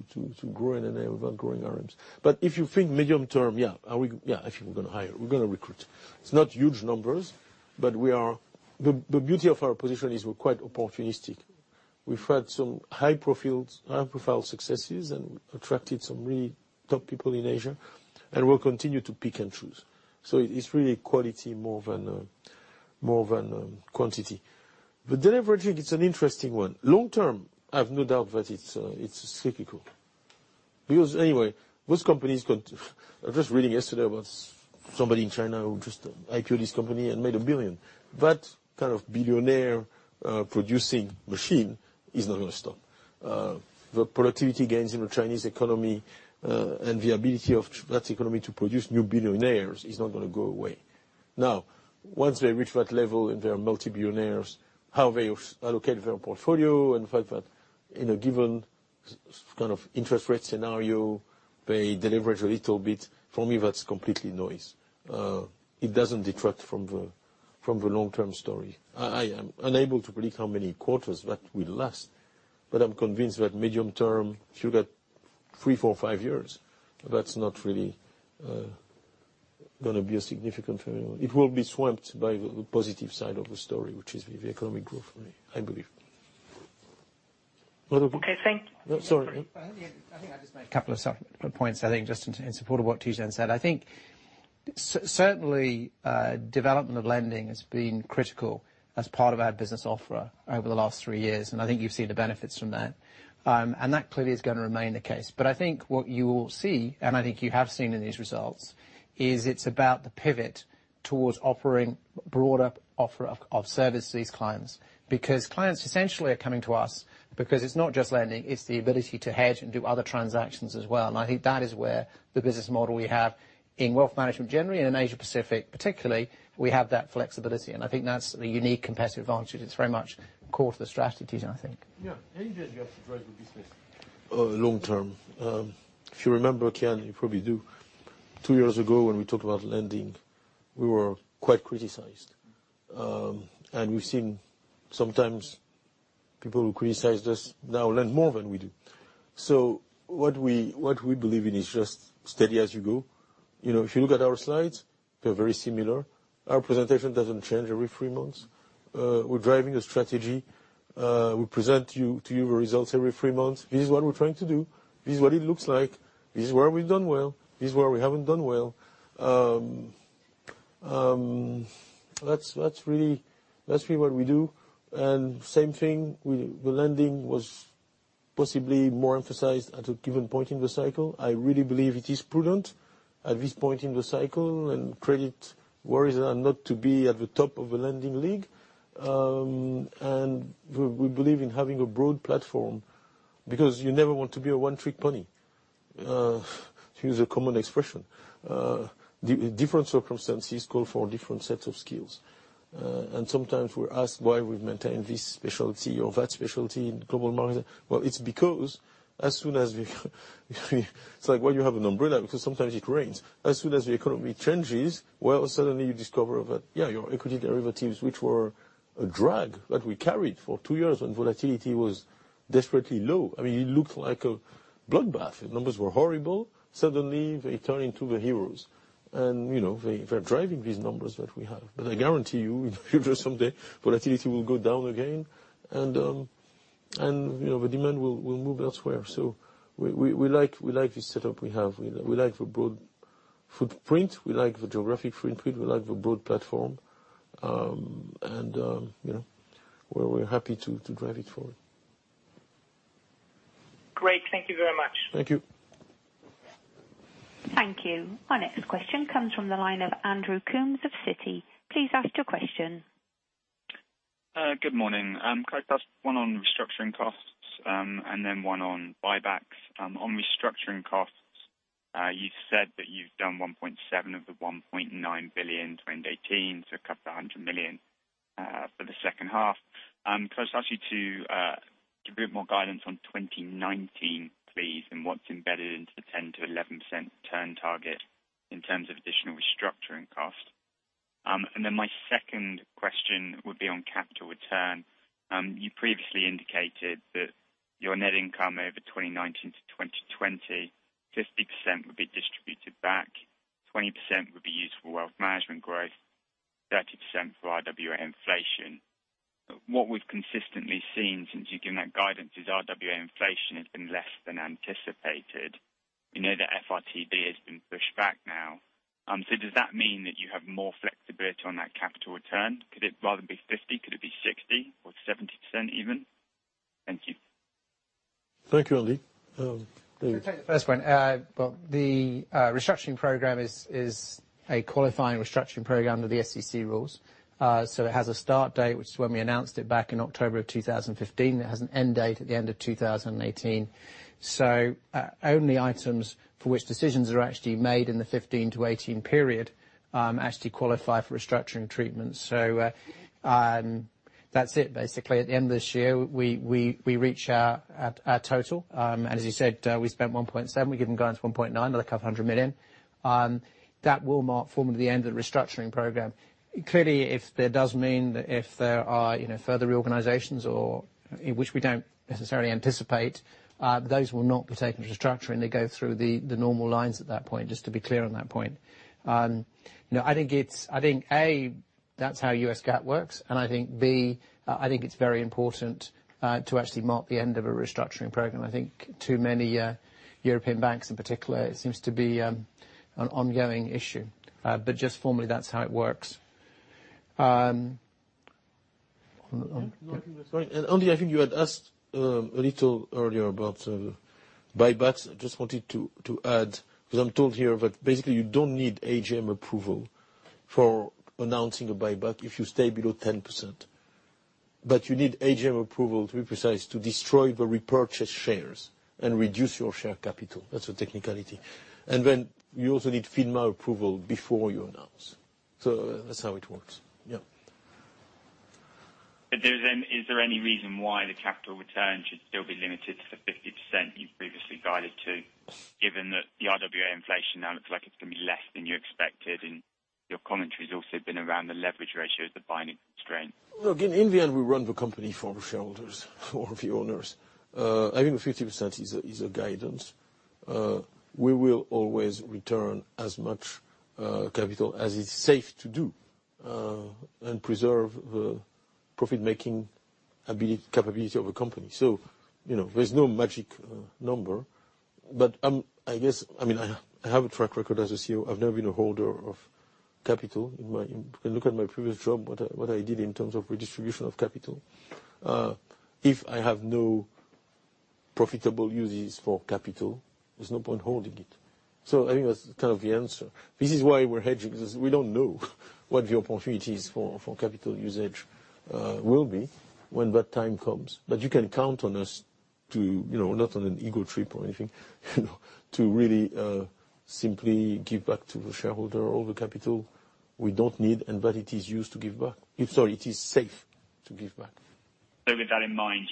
grow NNA without growing RMs. If you think medium term, yeah, I think we're going to hire. We're going to recruit. It's not huge numbers, but the beauty of our position is we're quite opportunistic. We've had some high-profile successes and attracted some really top people in Asia, and we'll continue to pick and choose. It's really quality more than quantity. The deleveraging, it's an interesting one. Long term, I have no doubt that it's cyclical. Anyway, most companies I was just reading yesterday about somebody in China who just IPO'd his company and made 1 billion. That kind of billionaire producing machine is not going to stop. The productivity gains in the Chinese economy, and the ability of that economy to produce new billionaires is not going to go away. Once they reach that level and they are multi-billionaires, how they allocate their portfolio and the fact that in a given, interest rate scenario, they deleverage a little bit, for me, that's completely noise. It doesn't detract from the long-term story. I am unable to predict how many quarters that will last. I'm convinced that medium term, if you get three, four, five years, that's not really going to be a significant variable. It will be swamped by the positive side of the story, which is the economic growth for me, I believe. Okay, thanks. Sorry. I think I'd just make a couple of points, I think, just in support of what Tidjane said. I think certainly, development of lending has been critical as part of our business offer over the last three years, and I think you've seen the benefits from that. That clearly is going to remain the case. I think what you will see, and I think you have seen in these results, is it's about the pivot towards offering broader offer of service to these clients. Clients essentially are coming to us because it's not just lending, it's the ability to hedge and do other transactions as well, and I think that is where the business model we have in wealth management generally, and in Asia-Pacific particularly, we have that flexibility, and I think that's the unique competitive advantage. It's very much core to the strategy, Tidjane, I think. Yeah. How do you guys view the growth of the business long term? If you remember, Kian, you probably do, two years ago when we talked about lending, we were quite criticized. We've seen sometimes people who criticize us now lend more than we do. What we believe in is just steady as you go. If you look at our slides, they're very similar. Our presentation doesn't change every three months. We're driving a strategy. We present to you the results every three months. This is what we're trying to do. This is what it looks like. This is where we've done well. This is where we haven't done well. That's really what we do. Same thing, the lending was possibly more emphasized at a given point in the cycle. I really believe it is prudent at this point in the cycle, and credit worries are not to be at the top of the lending league. We believe in having a broad platform because you never want to be a one-trick pony, to use a common expression. Different circumstances call for different sets of skills. Sometimes we're asked why we maintain this specialty or that specialty in global market. Well, it's because it's like, why you have an umbrella? Because sometimes it rains. As soon as the economy changes, well, suddenly you discover that, yeah, your equity derivatives, which were a drag that we carried for two years, and volatility was desperately low. It looked like a bloodbath. The numbers were horrible. Suddenly, they turn into the heroes. They're driving these numbers that we have. I guarantee you someday volatility will go down again, and the demand will move elsewhere. We like this setup we have. We like the broad footprint. We like the geographic footprint. We like the broad platform. We're happy to drive it forward. Great. Thank you very much. Thank you. Thank you. Our next question comes from the line of Andrew Coombs of Citi. Please ask your question. Good morning. Could I ask one on restructuring costs, then one on buybacks? On restructuring costs, you said that you've done 1.7 billion of the 1.9 billion, 2018, so a couple of hundred million CHF for the second half. Could I ask you to give a bit more guidance on 2019, please, and what's embedded into the 10%-11% turn target in terms of additional restructuring cost? My second question would be on capital return. You previously indicated that your net income over 2019 to 2020, 50% would be distributed back, 20% would be used for wealth management growth, 30% for RWA inflation. What we've consistently seen since you've given that guidance is RWA inflation has been less than anticipated. We know that FRTB has been pushed back now. Does that mean that you have more flexibility on that capital return? Could it rather be 50%? Could it be 60% or 70% even? Thank you. Thank you, Andy. Well, the restructuring program is a qualifying restructuring program under the SEC rules. It has a start date, which is when we announced it back in October of 2015. It has an end date at the end of 2018. Only items for which decisions are actually made in the '15 to '18 period, actually qualify for restructuring treatment. That's it. Basically, at the end of this year, we reach our total. As you said, we spent 1.7 million. We give them guidance of 1.9 million, another 200 million. That will mark formally the end of the restructuring program. Clearly, if there are further reorganizations, which we don't necessarily anticipate, those will not be taken to restructuring. They go through the normal lines at that point, just to be clear on that point. I think, A, that's how ASU 2014-09 works, and I think, B, I think it's very important to actually mark the end of a restructuring program. I think too many European banks, in particular, it seems to be an ongoing issue. Just formally, that's how it works. Andy, I think you had asked a little earlier about buybacks. I just wanted to add, because I'm told here that basically you don't need AGM approval for announcing a buyback if you stay below 10%. You need AGM approval, to be precise, to destroy the repurchased shares and reduce your share capital. That's a technicality. You also need FINMA approval before you announce. That's how it works. Yeah. Is there any reason why the capital return should still be limited to the 50% you previously guided to, given that the RWA inflation now looks like it's going to be less than you expected and your commentary has also been around the leverage ratio as the binding constraint? Look, in the end, we run the company for shareholders, for the owners. I think the 50% is a guidance. We will always return as much capital as is safe to do, and preserve the profit-making capability of a company. There's no magic number. I have a track record as a CEO. I've never been a holder of capital. You can look at my previous job, what I did in terms of redistribution of capital. If I have no profitable uses for capital, there's no point holding it. I think that's the answer. This is why we're hedging, because we don't know what the opportunities for capital usage will be when that time comes. You can count on us to, not on an ego trip or anything, to really simply give back to the shareholder all the capital we don't need, and that it is safe to give back. With that in mind,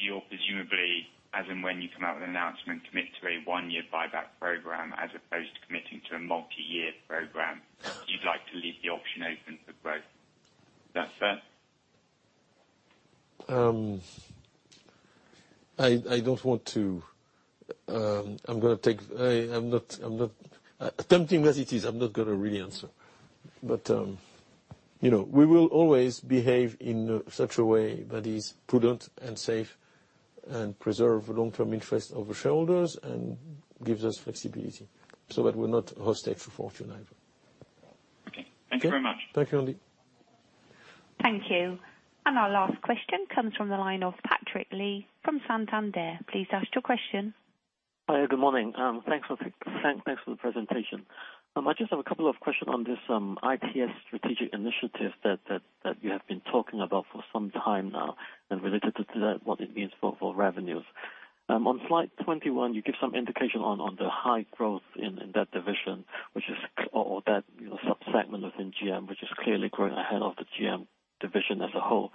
when you come out with an announcement, commit to a one-year buyback program as opposed to committing to a multi-year program, you'd like to leave the option open for growth. Is that fair? I'm not tempting as it is, I'm not going to really answer. We will always behave in such a way that is prudent and safe and preserve long-term interest of the shareholders and gives us flexibility so that we're not hostage for fortune either. Okay. Thank you very much. Thank you, Andy. Thank you. Our last question comes from the line of Patrick Lee from Santander. Please ask your question. Hi, good morning. Thanks for the presentation. I just have a couple of questions on this ITS strategic initiative that you have been talking about for some time now, related to that, what it means for revenues. On slide 21, you give some indication on the high growth in that division or that subsegment within GM, which is clearly growing ahead of the GM division as a whole.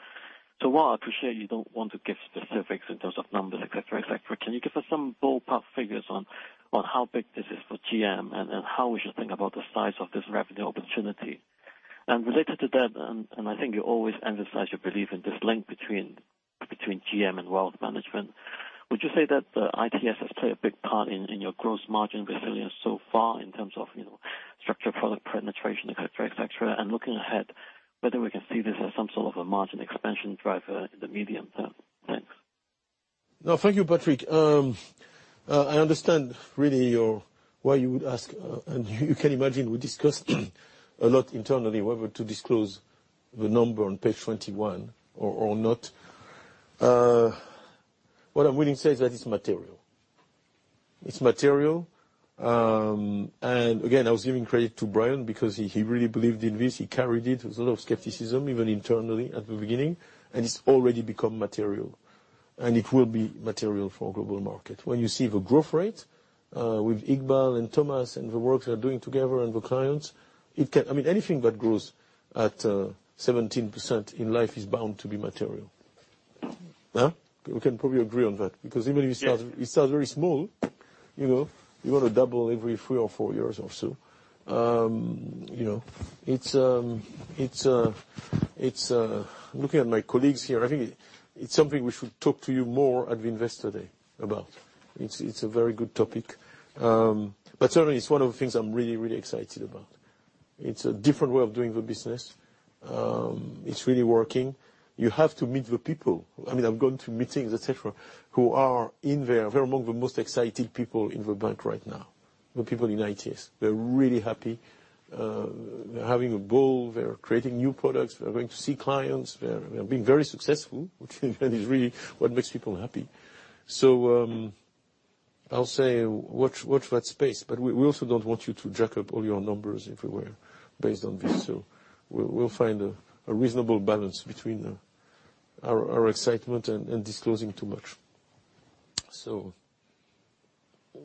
While I appreciate you don't want to give specifics in terms of numbers, et cetera. Can you give us some ballpark figures on how big this is for GM and how we should think about the size of this revenue opportunity? Related to that, and I think you always emphasize your belief in this link between GM and wealth management. Would you say that the ITS has played a big part in your gross margin resilience so far in terms of structured product penetration, et cetera? Looking ahead, whether we can see this as some sort of a margin expansion driver in the medium term? Thanks. No, thank you, Patrick. I understand really why you would ask. You can imagine we discussed a lot internally whether to disclose the number on page 21 or not. What I'm willing to say is that it's material. It's material. Again, I was giving credit to Brian because he really believed in this. He carried it. There was a lot of skepticism, even internally at the beginning, and it's already become material, and it will be material for Global Markets. When you see the growth rate, with Iqbal and Thomas and the work they are doing together and the clients, anything that grows at 17% in life is bound to be material. Huh? We can probably agree on that. Yeah it starts very small, you want to double every three or four years or so. Looking at my colleagues here, I think it's something we should talk to you more at the Investor Day about. It's a very good topic. Certainly, it's one of the things I'm really excited about. It's a different way of doing the business. It's really working. You have to meet the people. I've gone to meetings, et cetera, who are in there. They're among the most excited people in the bank right now. The people in ITS. They're really happy. They're having a ball. They're creating new products. They're going to see clients. They're being very successful, which is really what makes people happy. I'll say, watch that space. We also don't want you to jack up all your numbers everywhere based on this. We'll find a reasonable balance between our excitement and disclosing too much.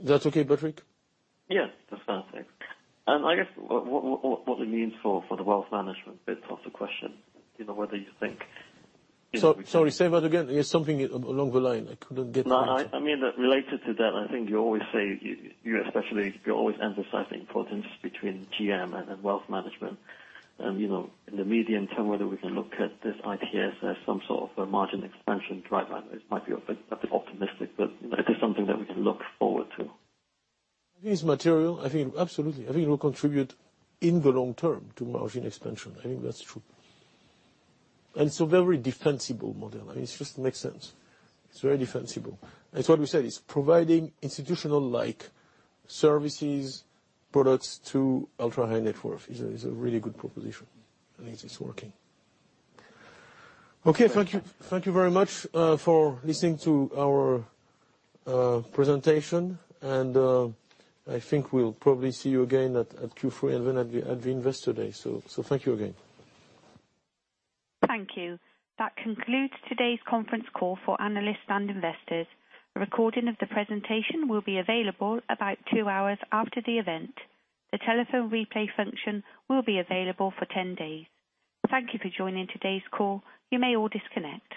That's okay, Patrick? Yes, that's perfect. I guess what it means for the wealth management bit of the question, whether you think- Sorry, say that again. There's something along the line, I couldn't get that. I mean, related to that, I think you always say, you especially, you're always emphasizing importance between GM and wealth management. In the medium term, whether we can look at this ITS as some sort of a margin expansion driver. It might be a bit optimistic, but is this something that we can look forward to? It is material. Absolutely. I think it will contribute in the long term to margin expansion. I think that's true. It's a very defensible model. It just makes sense. It's very defensible. It's what we said, it's providing institutional-like services, products to ultra-high net worth. It's a really good proposition, it is working. Okay. Thank you very much for listening to our presentation, I think we'll probably see you again at Q3 and then at the Investor Day. Thank you again. Thank you. That concludes today's conference call for analysts and investors. A recording of the presentation will be available about two hours after the event. The telephone replay function will be available for 10 days. Thank you for joining today's call. You may all disconnect.